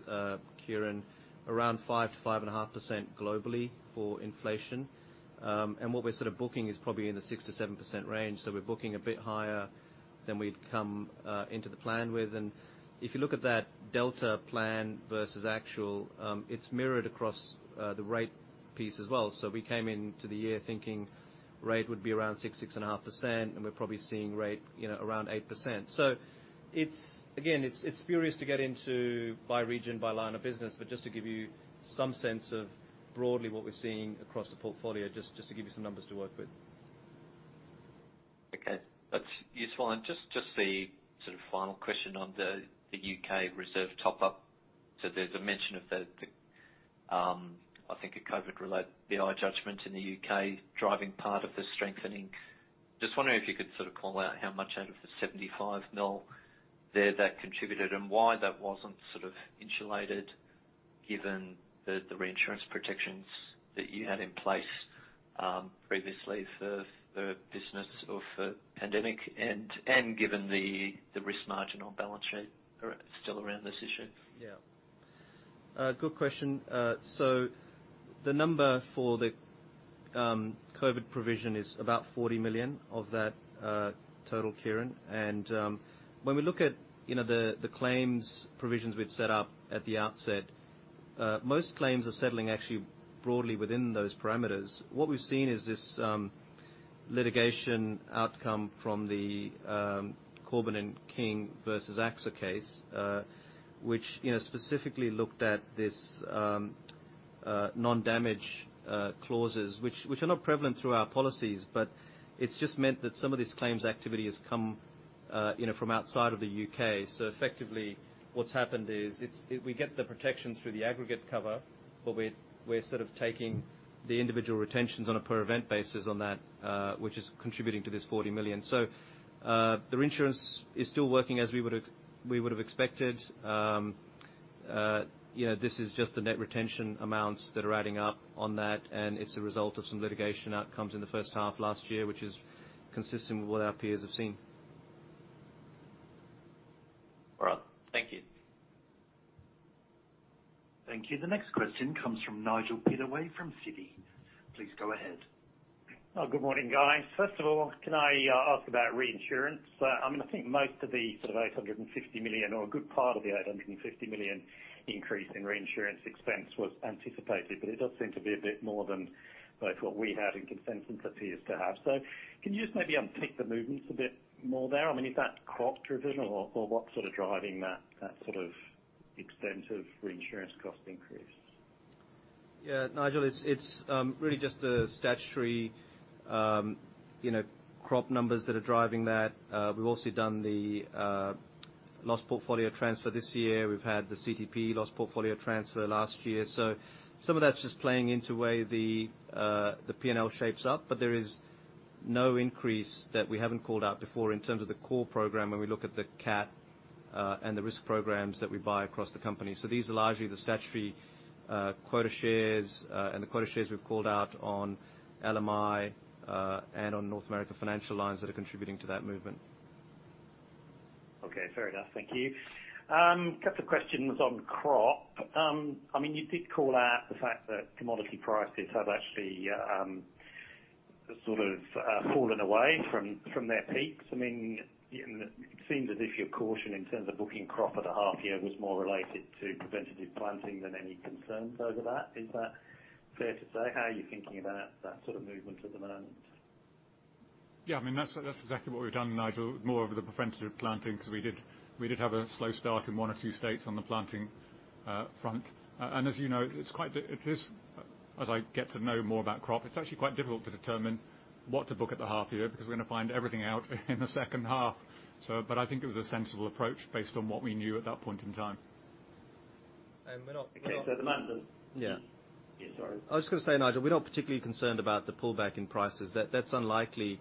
Kieren, around 5-5.5% globally for inflation. What we're sort of booking is probably in the 6%-7% range. We're booking a bit higher than we'd come into the plan with. If you look at that delta plan versus actual, it's mirrored across the rate piece as well. We came into the year thinking rate would be around 6-6.5%, and we're probably seeing rate, around 8%. It's again spurious to get into by region, by line of business, but just to give you some sense of broadly what we're seeing across the portfolio, just to give you some numbers to work with. Okay. That's useful. Just the sort of final question on the U.K. reserve top-up. There's a mention of the, I think a COVID related BI judgment in the U.K. driving part of the strengthening. Just wondering if you could sort of call out how much out of the $75 million there that contributed, and why that wasn't sort of insulated given the reinsurance protections that you had in place previously for the business of the pandemic and given the risk margin on balance sheet are still around this issue. Good question. THe number for the COVID provision is about 40 million of that total, Kieran. When we look at, the claims provisions we'd set up at the outset, most claims are settling actually broadly within those parameters. What we've seen is this litigation outcome from the Corbin and King versus AXA case, which, specifically looked at this non-damage clauses, which are not prevalent through our policies, but it's just meant that some of this claims activity has come, from outside of the UK. Effectively what's happened is we get the protections through the aggregate cover, but we're sort of taking the individual retentions on a per event basis on that, which is contributing to this 40 million. The reinsurance is still working as we would've expected. This is just the net retention amounts that are adding up on that, and it's a result of some litigation outcomes in the first half of last year, which is consistent with what our peers have seen. All right. Thank you. Thank you. The next question comes from Nigel Pittaway from Citi. Please go ahead. Good morning, guys. First of all, can I ask about reinsurance? I mean, I think most of the sort of $850 million or a good part of the $850 million increase in reinsurance expense was anticipated, but it does seem to be a bit more than both what we had and consensus appears to have. Can you just maybe unpick the movements a bit more there? I mean, is that crop provision or what sort of driving that sort of- Extent of reinsurance cost increase? Nigel, it's really just the statutory, crop numbers that are driving that. We've also done the loss portfolio transfer this year. We've had the CTP loss portfolio transfer last year. Some of that's just playing into the way the P&L shapes up, but there is no increase that we haven't called out before in terms of the core program when we look at the cat and the risk programs that we buy across the company. These are largely the statutory quota shares and the quota shares we've called out on LMI and on North America Financial Lines that are contributing to that movement. Okay, fair enough. Thank you. Couple questions on crop. I mean, you did call out the fact that commodity prices have actually, sort of, fallen away from their peaks. I mean, it seems as if your caution in terms of booking crop at the half year was more related to preventive planting than any concerns over that. Is that fair to say? How are you thinking about that sort of movement at the moment? I mean, that's exactly what we've done, Nigel, more of the preventive planting 'cause we did have a slow start in one or two states on the planting front. As, as I get to know more about crop, it's actually quite difficult to determine what to book at the half year because we're gonna find everything out in the second half. I think it was a sensible approach based on what we knew at that point in time. Okay. At the moment. Sorry. I was just gonna say, Nigel, we're not particularly concerned about the pullback in prices. That's unlikely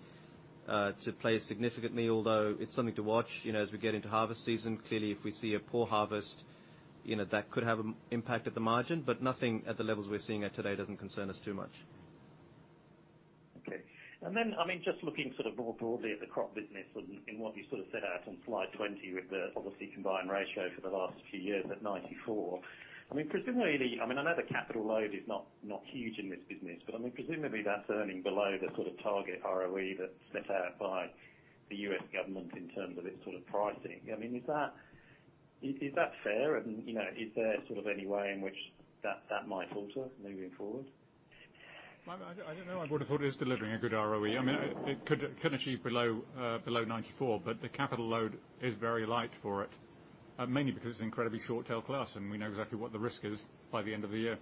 to play significantly, although it's something to watch, as we get into harvest season. Clearly, if we see a poor harvest, that could have an impact at the margin, but nothing at the levels we're seeing it today doesn't concern us too much. Okay. I mean, just looking sort of more broadly at the crop business and what you sort of set out on slide 20 with the obviously combined ratio for the last few years at 94%. I mean, presumably, I mean, I know the capital load is not huge in this business, but I mean, presumably that's earning below the sort of target ROE that's set out by the U.S. government in terms of its sort of pricing. I mean, is that fair? Is there sort of any way in which that might alter moving forward? I don't know. I would have thought it is delivering a good ROE. I mean, it could achieve below 94%, but the capital load is very light for it, mainly because it's an incredibly short tail class, and we know exactly what the risk is by the end of the year.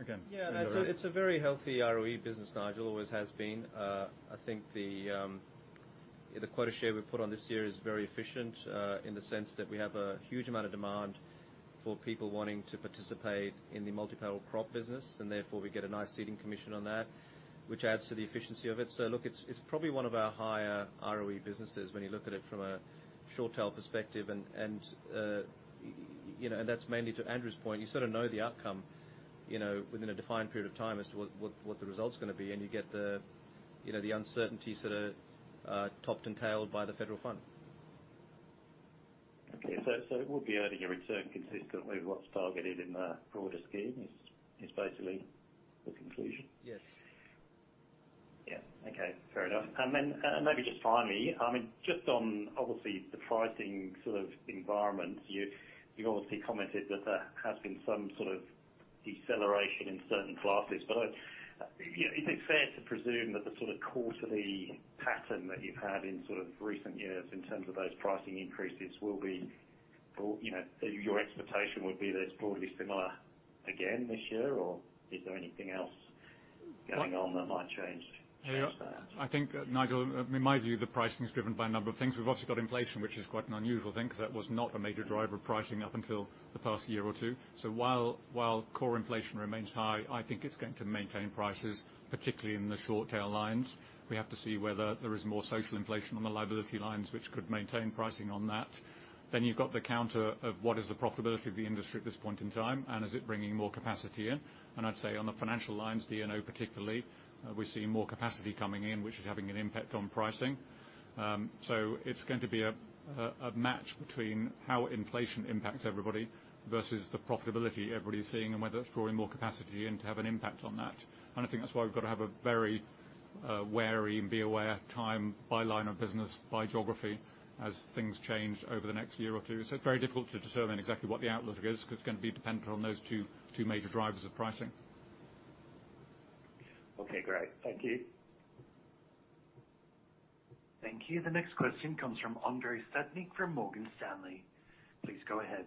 Again, Andrew. It's a very healthy ROE business, Nigel, always has been. I think the quota share we put on this year is very efficient, in the sense that we have a huge amount of demand for people wanting to participate in the multi-peril crop business, and therefore we get a nice ceding commission on that, which adds to the efficiency of it. Look, it's probably one of our higher ROE businesses when you look at it from a short tail perspective. That's mainly to Andrew's point. You sort of know the outcome, within a defined period of time as to what the result's gonna be, and you get the uncertainties that are topped and tailed by the federal fund. Okay. It will be earning a return consistent with what's targeted in the broader scheme is basically the conclusion? Yes. Okay. Fair enough. Then, maybe just finally, I mean, just on obviously the pricing sort of environment, you obviously commented that there has been some sort of deceleration in certain classes. Is it fair to presume that the sort of quarterly pattern that you've had in sort of recent years in terms of those pricing increases will be, or, your expectation would be that it's broadly similar again this year, or is there anything else going on that might change that? I think, Nigel, in my view, the pricing is driven by a number of things. We've obviously got inflation, which is quite an unusual thing 'cause that was not a major driver of pricing up until the past year or two. While core inflation remains high, I think it's going to maintain prices, particularly in the short tail lines. We have to see whether there is more social inflation on the liability lines, which could maintain pricing on that. You've got the counter of what is the profitability of the industry at this point in time, and is it bringing more capacity in? I'd say on the financial lines, D&O particularly, we're seeing more capacity coming in, which is having an impact on pricing. It's going to be a match between how inflation impacts everybody versus the profitability everybody's seeing and whether it's drawing more capacity in to have an impact on that. I think that's why we've got to have a very wary and be aware time by line of business, by geography as things change over the next year or two. It's very difficult to determine exactly what the outlook is, 'cause it's gonna be dependent on those two major drivers of pricing. Okay, great. Thank you. Thank you. The next question comes from Andrei Stadnik from Morgan Stanley. Please go ahead.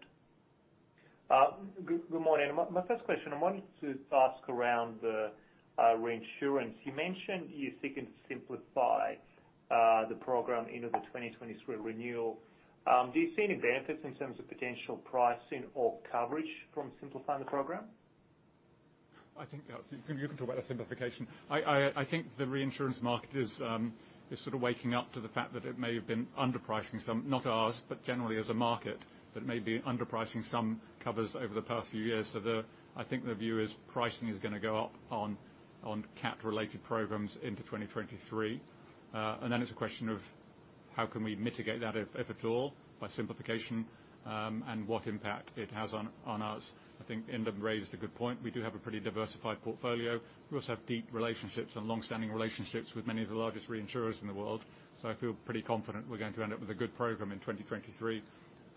Good morning. My first question, I wanted to ask around the reinsurance. You mentioned you're seeking to simplify the program into the 2023 renewal. Do you see any benefits in terms of potential pricing or coverage from simplifying the program? I think you can talk about the simplification. I think the reinsurance market is sort of waking up to the fact that it may have been underpricing some, not ours, but generally as a market, covers over the past few years. I think the view is pricing is gonna go up on cat-related programs into 2023. Then it's a question of how can we mitigate that, if at all, by simplification, and what impact it has on us. I think Inder raised a good point. We do have a pretty diversified portfolio. We also have deep relationships and long-standing relationships with many of the largest reinsurers in the world. I feel pretty confident we're going to end up with a good program in 2023.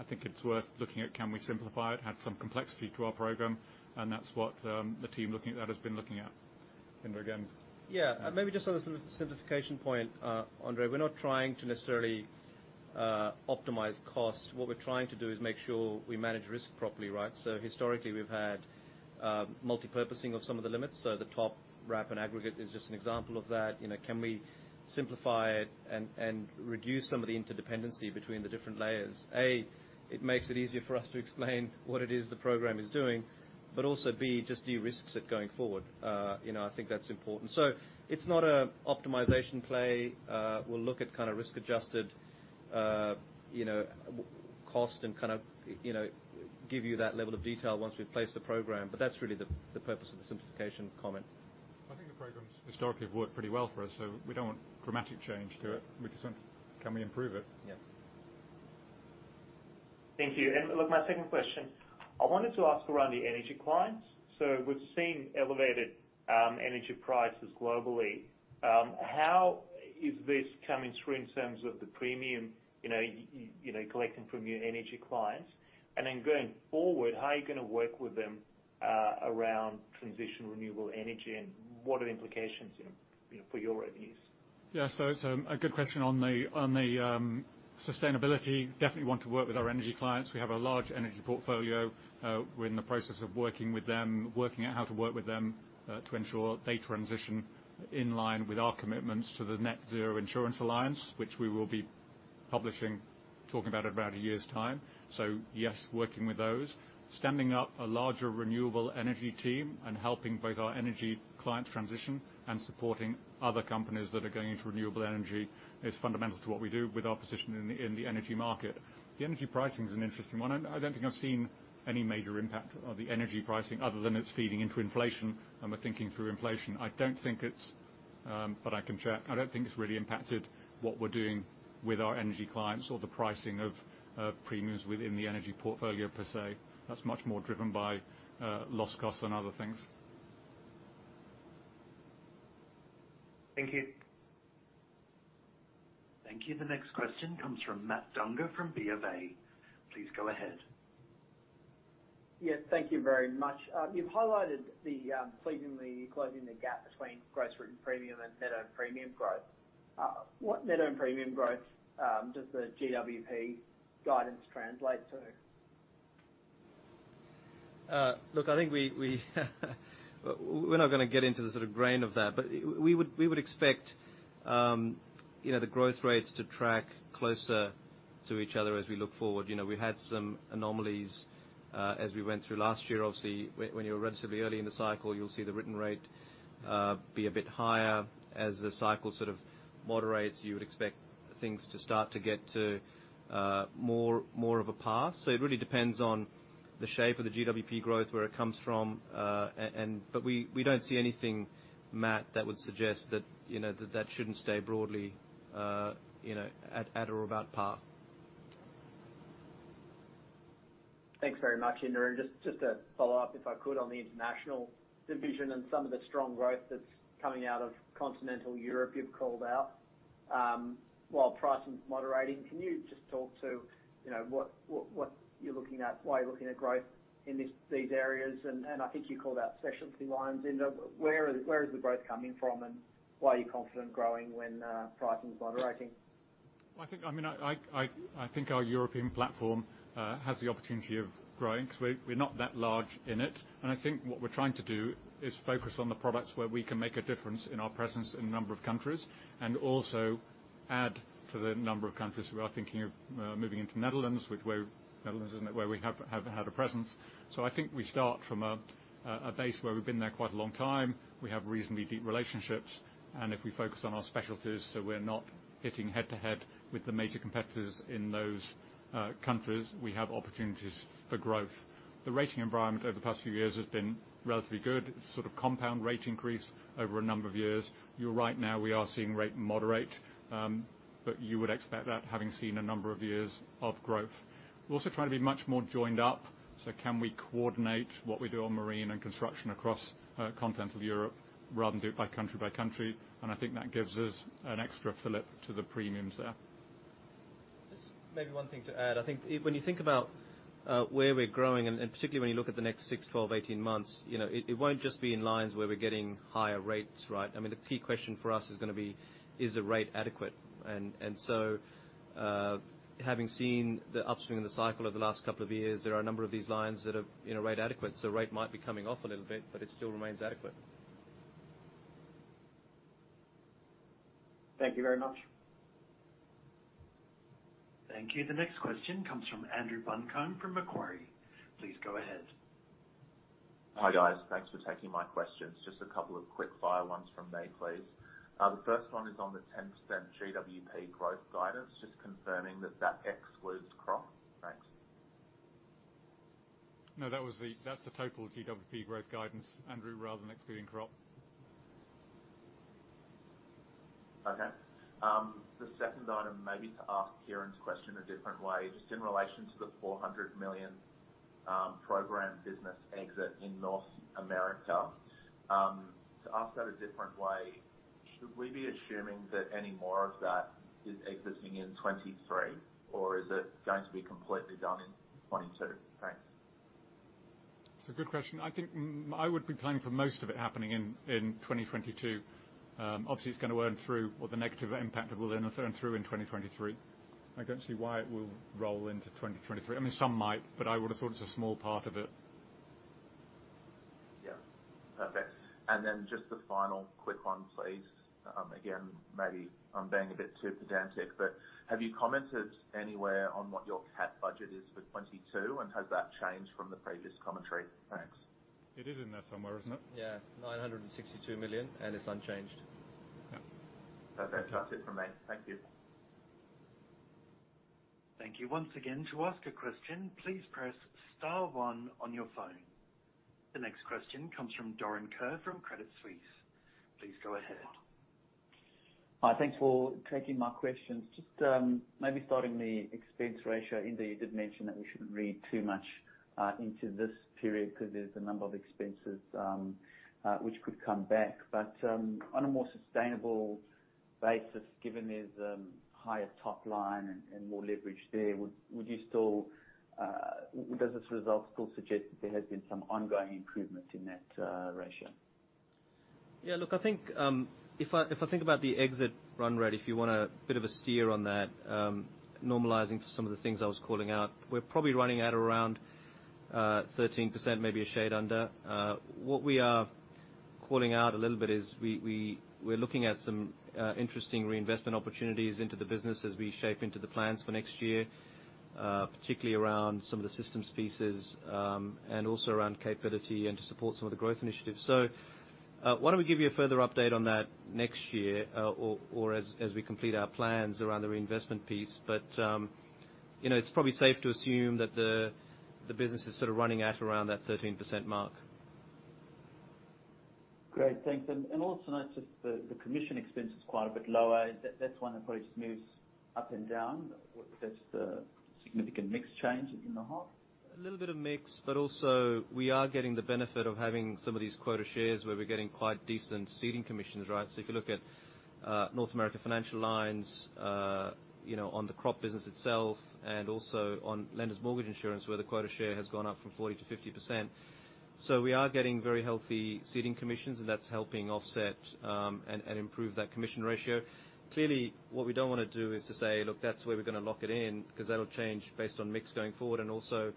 I think it's worth looking at, can we simplify it, add some complexity to our program, and that's what the team looking at that has been looking at. Inder again. Maybe just on the simplification point, Andrei, we're not trying to necessarily optimize costs. What we're trying to do is make sure we manage risk properly, right? Historically, we've had multipurposing of some of the limits. The top wrap and aggregate is just an example of that. Can we simplify it and reduce some of the interdependency between the different layers? A, it makes it easier for us to explain what it is the program is doing, but also, B, just de-risks it going forward. I think that's important. It's not an optimization play. We'll look at kind of risk-adjusted, weighted cost and kind of, give you that level of detail once we place the program, but that's really the purpose of the simplification comment. I think the programs historically have worked pretty well for us, we don't want dramatic change to it. We just want, can we improve it? Thank you. Look, my second question, I wanted to ask around the energy clients. We've seen elevated energy prices globally. How is this coming through in terms of the premium, collecting from your energy clients? Then going forward, how are you gonna work with them around transition renewable energy, and what are the implications, for your revenues? A good question on the sustainability. Definitely want to work with our energy clients. We have a large energy portfolio. We're in the process of working with them, working out how to work with them, to ensure they transition in line with our commitments to the Net-Zero Insurance Alliance, which we will be publishing, talking about in about a year's time. Yes, working with those. Standing up a larger renewable energy team and helping both our energy clients transition and supporting other companies that are going into renewable energy is fundamental to what we do with our position in the energy market. The energy pricing is an interesting one. I don't think I've seen any major impact of the energy pricing other than it's feeding into inflation, and we're thinking through inflation. I don't think it's really impacted what we're doing with our energy clients or the pricing of premiums within the energy portfolio per se. That's much more driven by loss costs than other things. Thank you. Thank you. The next question comes from Matt Dunger from BofA. Please go ahead. Yes. Thank you very much. You've highlighted the pleasingly closing the gap between gross written premium and net earned premium growth. What net earned premium growth does the GWP guidance translate to? Look, I think we're not gonna get into the sort of grain of that, but we would expect, the growth rates to track closer to each other as we look forward. We had some anomalies as we went through last year. Obviously, when you're relatively early in the cycle, you'll see the written rate be a bit higher. As the cycle sort of moderates, you would expect things to start to get to more of a par. It really depends on the shape of the GWP growth, where it comes from. We don't see anything, Matt, that would suggest that, that shouldn't stay broadly, at or about par. Thanks very much, Inder. Just to follow up, if I could, on the international division and some of the strong growth that's coming out of continental Europe you've called out. While pricing's moderating, can you just talk to, what you're looking at, why you're looking at growth in these areas? I think you called out specialty lines, Inder. Where is the growth coming from, and why are you confident growing when pricing's moderating? I think our European platform has the opportunity of growing 'cause we're not that large in it. I think what we're trying to do is focus on the products where we can make a difference in our presence in a number of countries, and also add to the number of countries. We are thinking of moving into Netherlands, where we have had a presence. I think we start from a base where we've been there quite a long time. We have reasonably deep relationships, and if we focus on our specialties, we're not hitting head to head with the major competitors in those countries, we have opportunities for growth. The rating environment over the past few years has been relatively good, sort of compound rate increase over a number of years. You're right. Now we are seeing rates moderate, but you would expect that having seen a number of years of growth. We're also trying to be much more joined up. Can we coordinate what we do on marine and construction across continental Europe rather than do it by country by country? I think that gives us an extra fillip to the premiums there. Just maybe one thing to add. I think when you think about where we're growing, and particularly when you look at the next 6, 12, 18 months, it won't just be in lines where we're getting higher rates, right? I mean, the key question for us is gonna be, is the rate adequate? Having seen the upswing in the cycle over the last couple of years, there are a number of these lines that are, rate adequate. Rate might be coming off a little bit, but it still remains adequate. Thank you very much. Thank you. The next question comes from Andrew Buncombe from Macquarie. Please go ahead. Hi, guys. Thanks for taking my questions. Just a couple of quick fire ones from me, please. The first one is on the 10% GWP growth guidance, just confirming that that excludes crop. Thanks. No, that's the total GWP growth guidance, Andrew, rather than excluding crop. Okay. The second item may be to ask Kieren's question a different way, just in relation to the $400 million program business exit in North America. To ask that a different way. Should we be assuming that any more of that is existing in 2023 or is it going to be completely done in 2022? Thanks. It's a good question. I think I would be planning for most of it happening in 2022. Obviously, it's gonna run through or the negative impact of it will then run through in 2023. I don't see why it will roll into 2023. I mean, some might, but I would have thought it's a small part of it. Perfect. Just the final quick one, please. Again, maybe I'm being a bit too pedantic, but have you commented anywhere on what your CapEx budget is for 2022 and has that changed from the previous commentary? Thanks. It is in there somewhere, isn't it? $962 million, and it's unchanged. Okay, that's it from me. Thank you. Thank you once again. To ask a question, please press star 1 on your phone. The next question comes from Doron Kur from Credit Suisse. Please go ahead. Hi. Thanks for taking my question. Just, maybe starting the expense ratio. Inder, you did mention that we shouldn't read too much into this period because there's a number of expenses which could come back. On a more sustainable basis, given there's higher top line and more leverage there, would you still? Does this result still suggest that there has been some ongoing improvements in that ratio? Look, I think if I think about the exit run rate, if you want a bit of a steer on that, normalizing for some of the things I was calling out, we're probably running at around 13%, maybe a shade under. What we are calling out a little bit is we're looking at some interesting reinvestment opportunities into the business as we shape into the plans for next year, particularly around some of the systems pieces, and also around capability and to support some of the growth initiatives. Why don't we give you a further update on that next year, or as we complete our plans around the reinvestment piece. It's probably safe to assume that the business is sort of running at around that 13% mark. Great. Thanks. Also notice the commission expense is quite a bit lower. Is that? That's one that probably just moves up and down. That's the significant mix change in the half. A little bit of mix, but also we are getting the benefit of having some of these quota shares where we're getting quite decent ceding commissions, right? If you look at North America Financial Lines, on the crop business itself and also on lender's mortgage insurance, where the quota share has gone up from 40% to 50%. We are getting very healthy ceding commissions, and that's helping offset and improve that commission ratio. Clearly, what we don't wanna do is to say, "Look, that's where we're gonna lock it in," 'cause that'll change based on mix going forward. Also,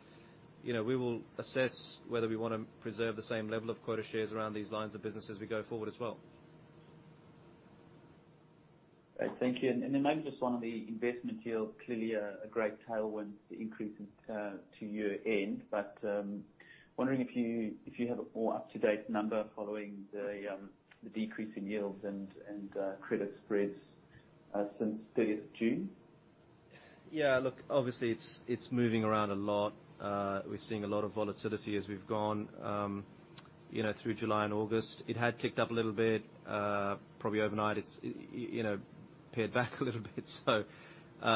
we will assess whether we wanna preserve the same level of quota shares around these lines of business as we go forward as well. Great. Thank you. Then maybe just one on the investment yield. Clearly a great tailwind, the increase in to year-end. Wondering if you have a more up-to-date number following the decrease in yields and credit spreads since thirtieth of June. Look, obviously it's moving around a lot. We're seeing a lot of volatility as we've gone, through July and August. It had ticked up a little bit, probably overnight. It's pared back a little bit.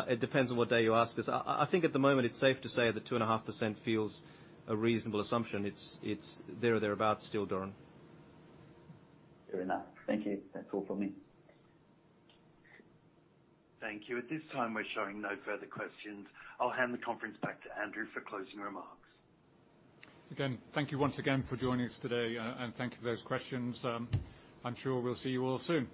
It depends on what day you ask us. I think at the moment it's safe to say that 2.5% feels a reasonable assumption. It's there or thereabout still, Doron. Fair enough. Thank you. That's all from me. Thank you. At this time, we're showing no further questions. I'll hand the conference back to Andrew for closing remarks. Again, thank you once again for joining us today. Thank you for those questions. I'm sure we'll see you all soon.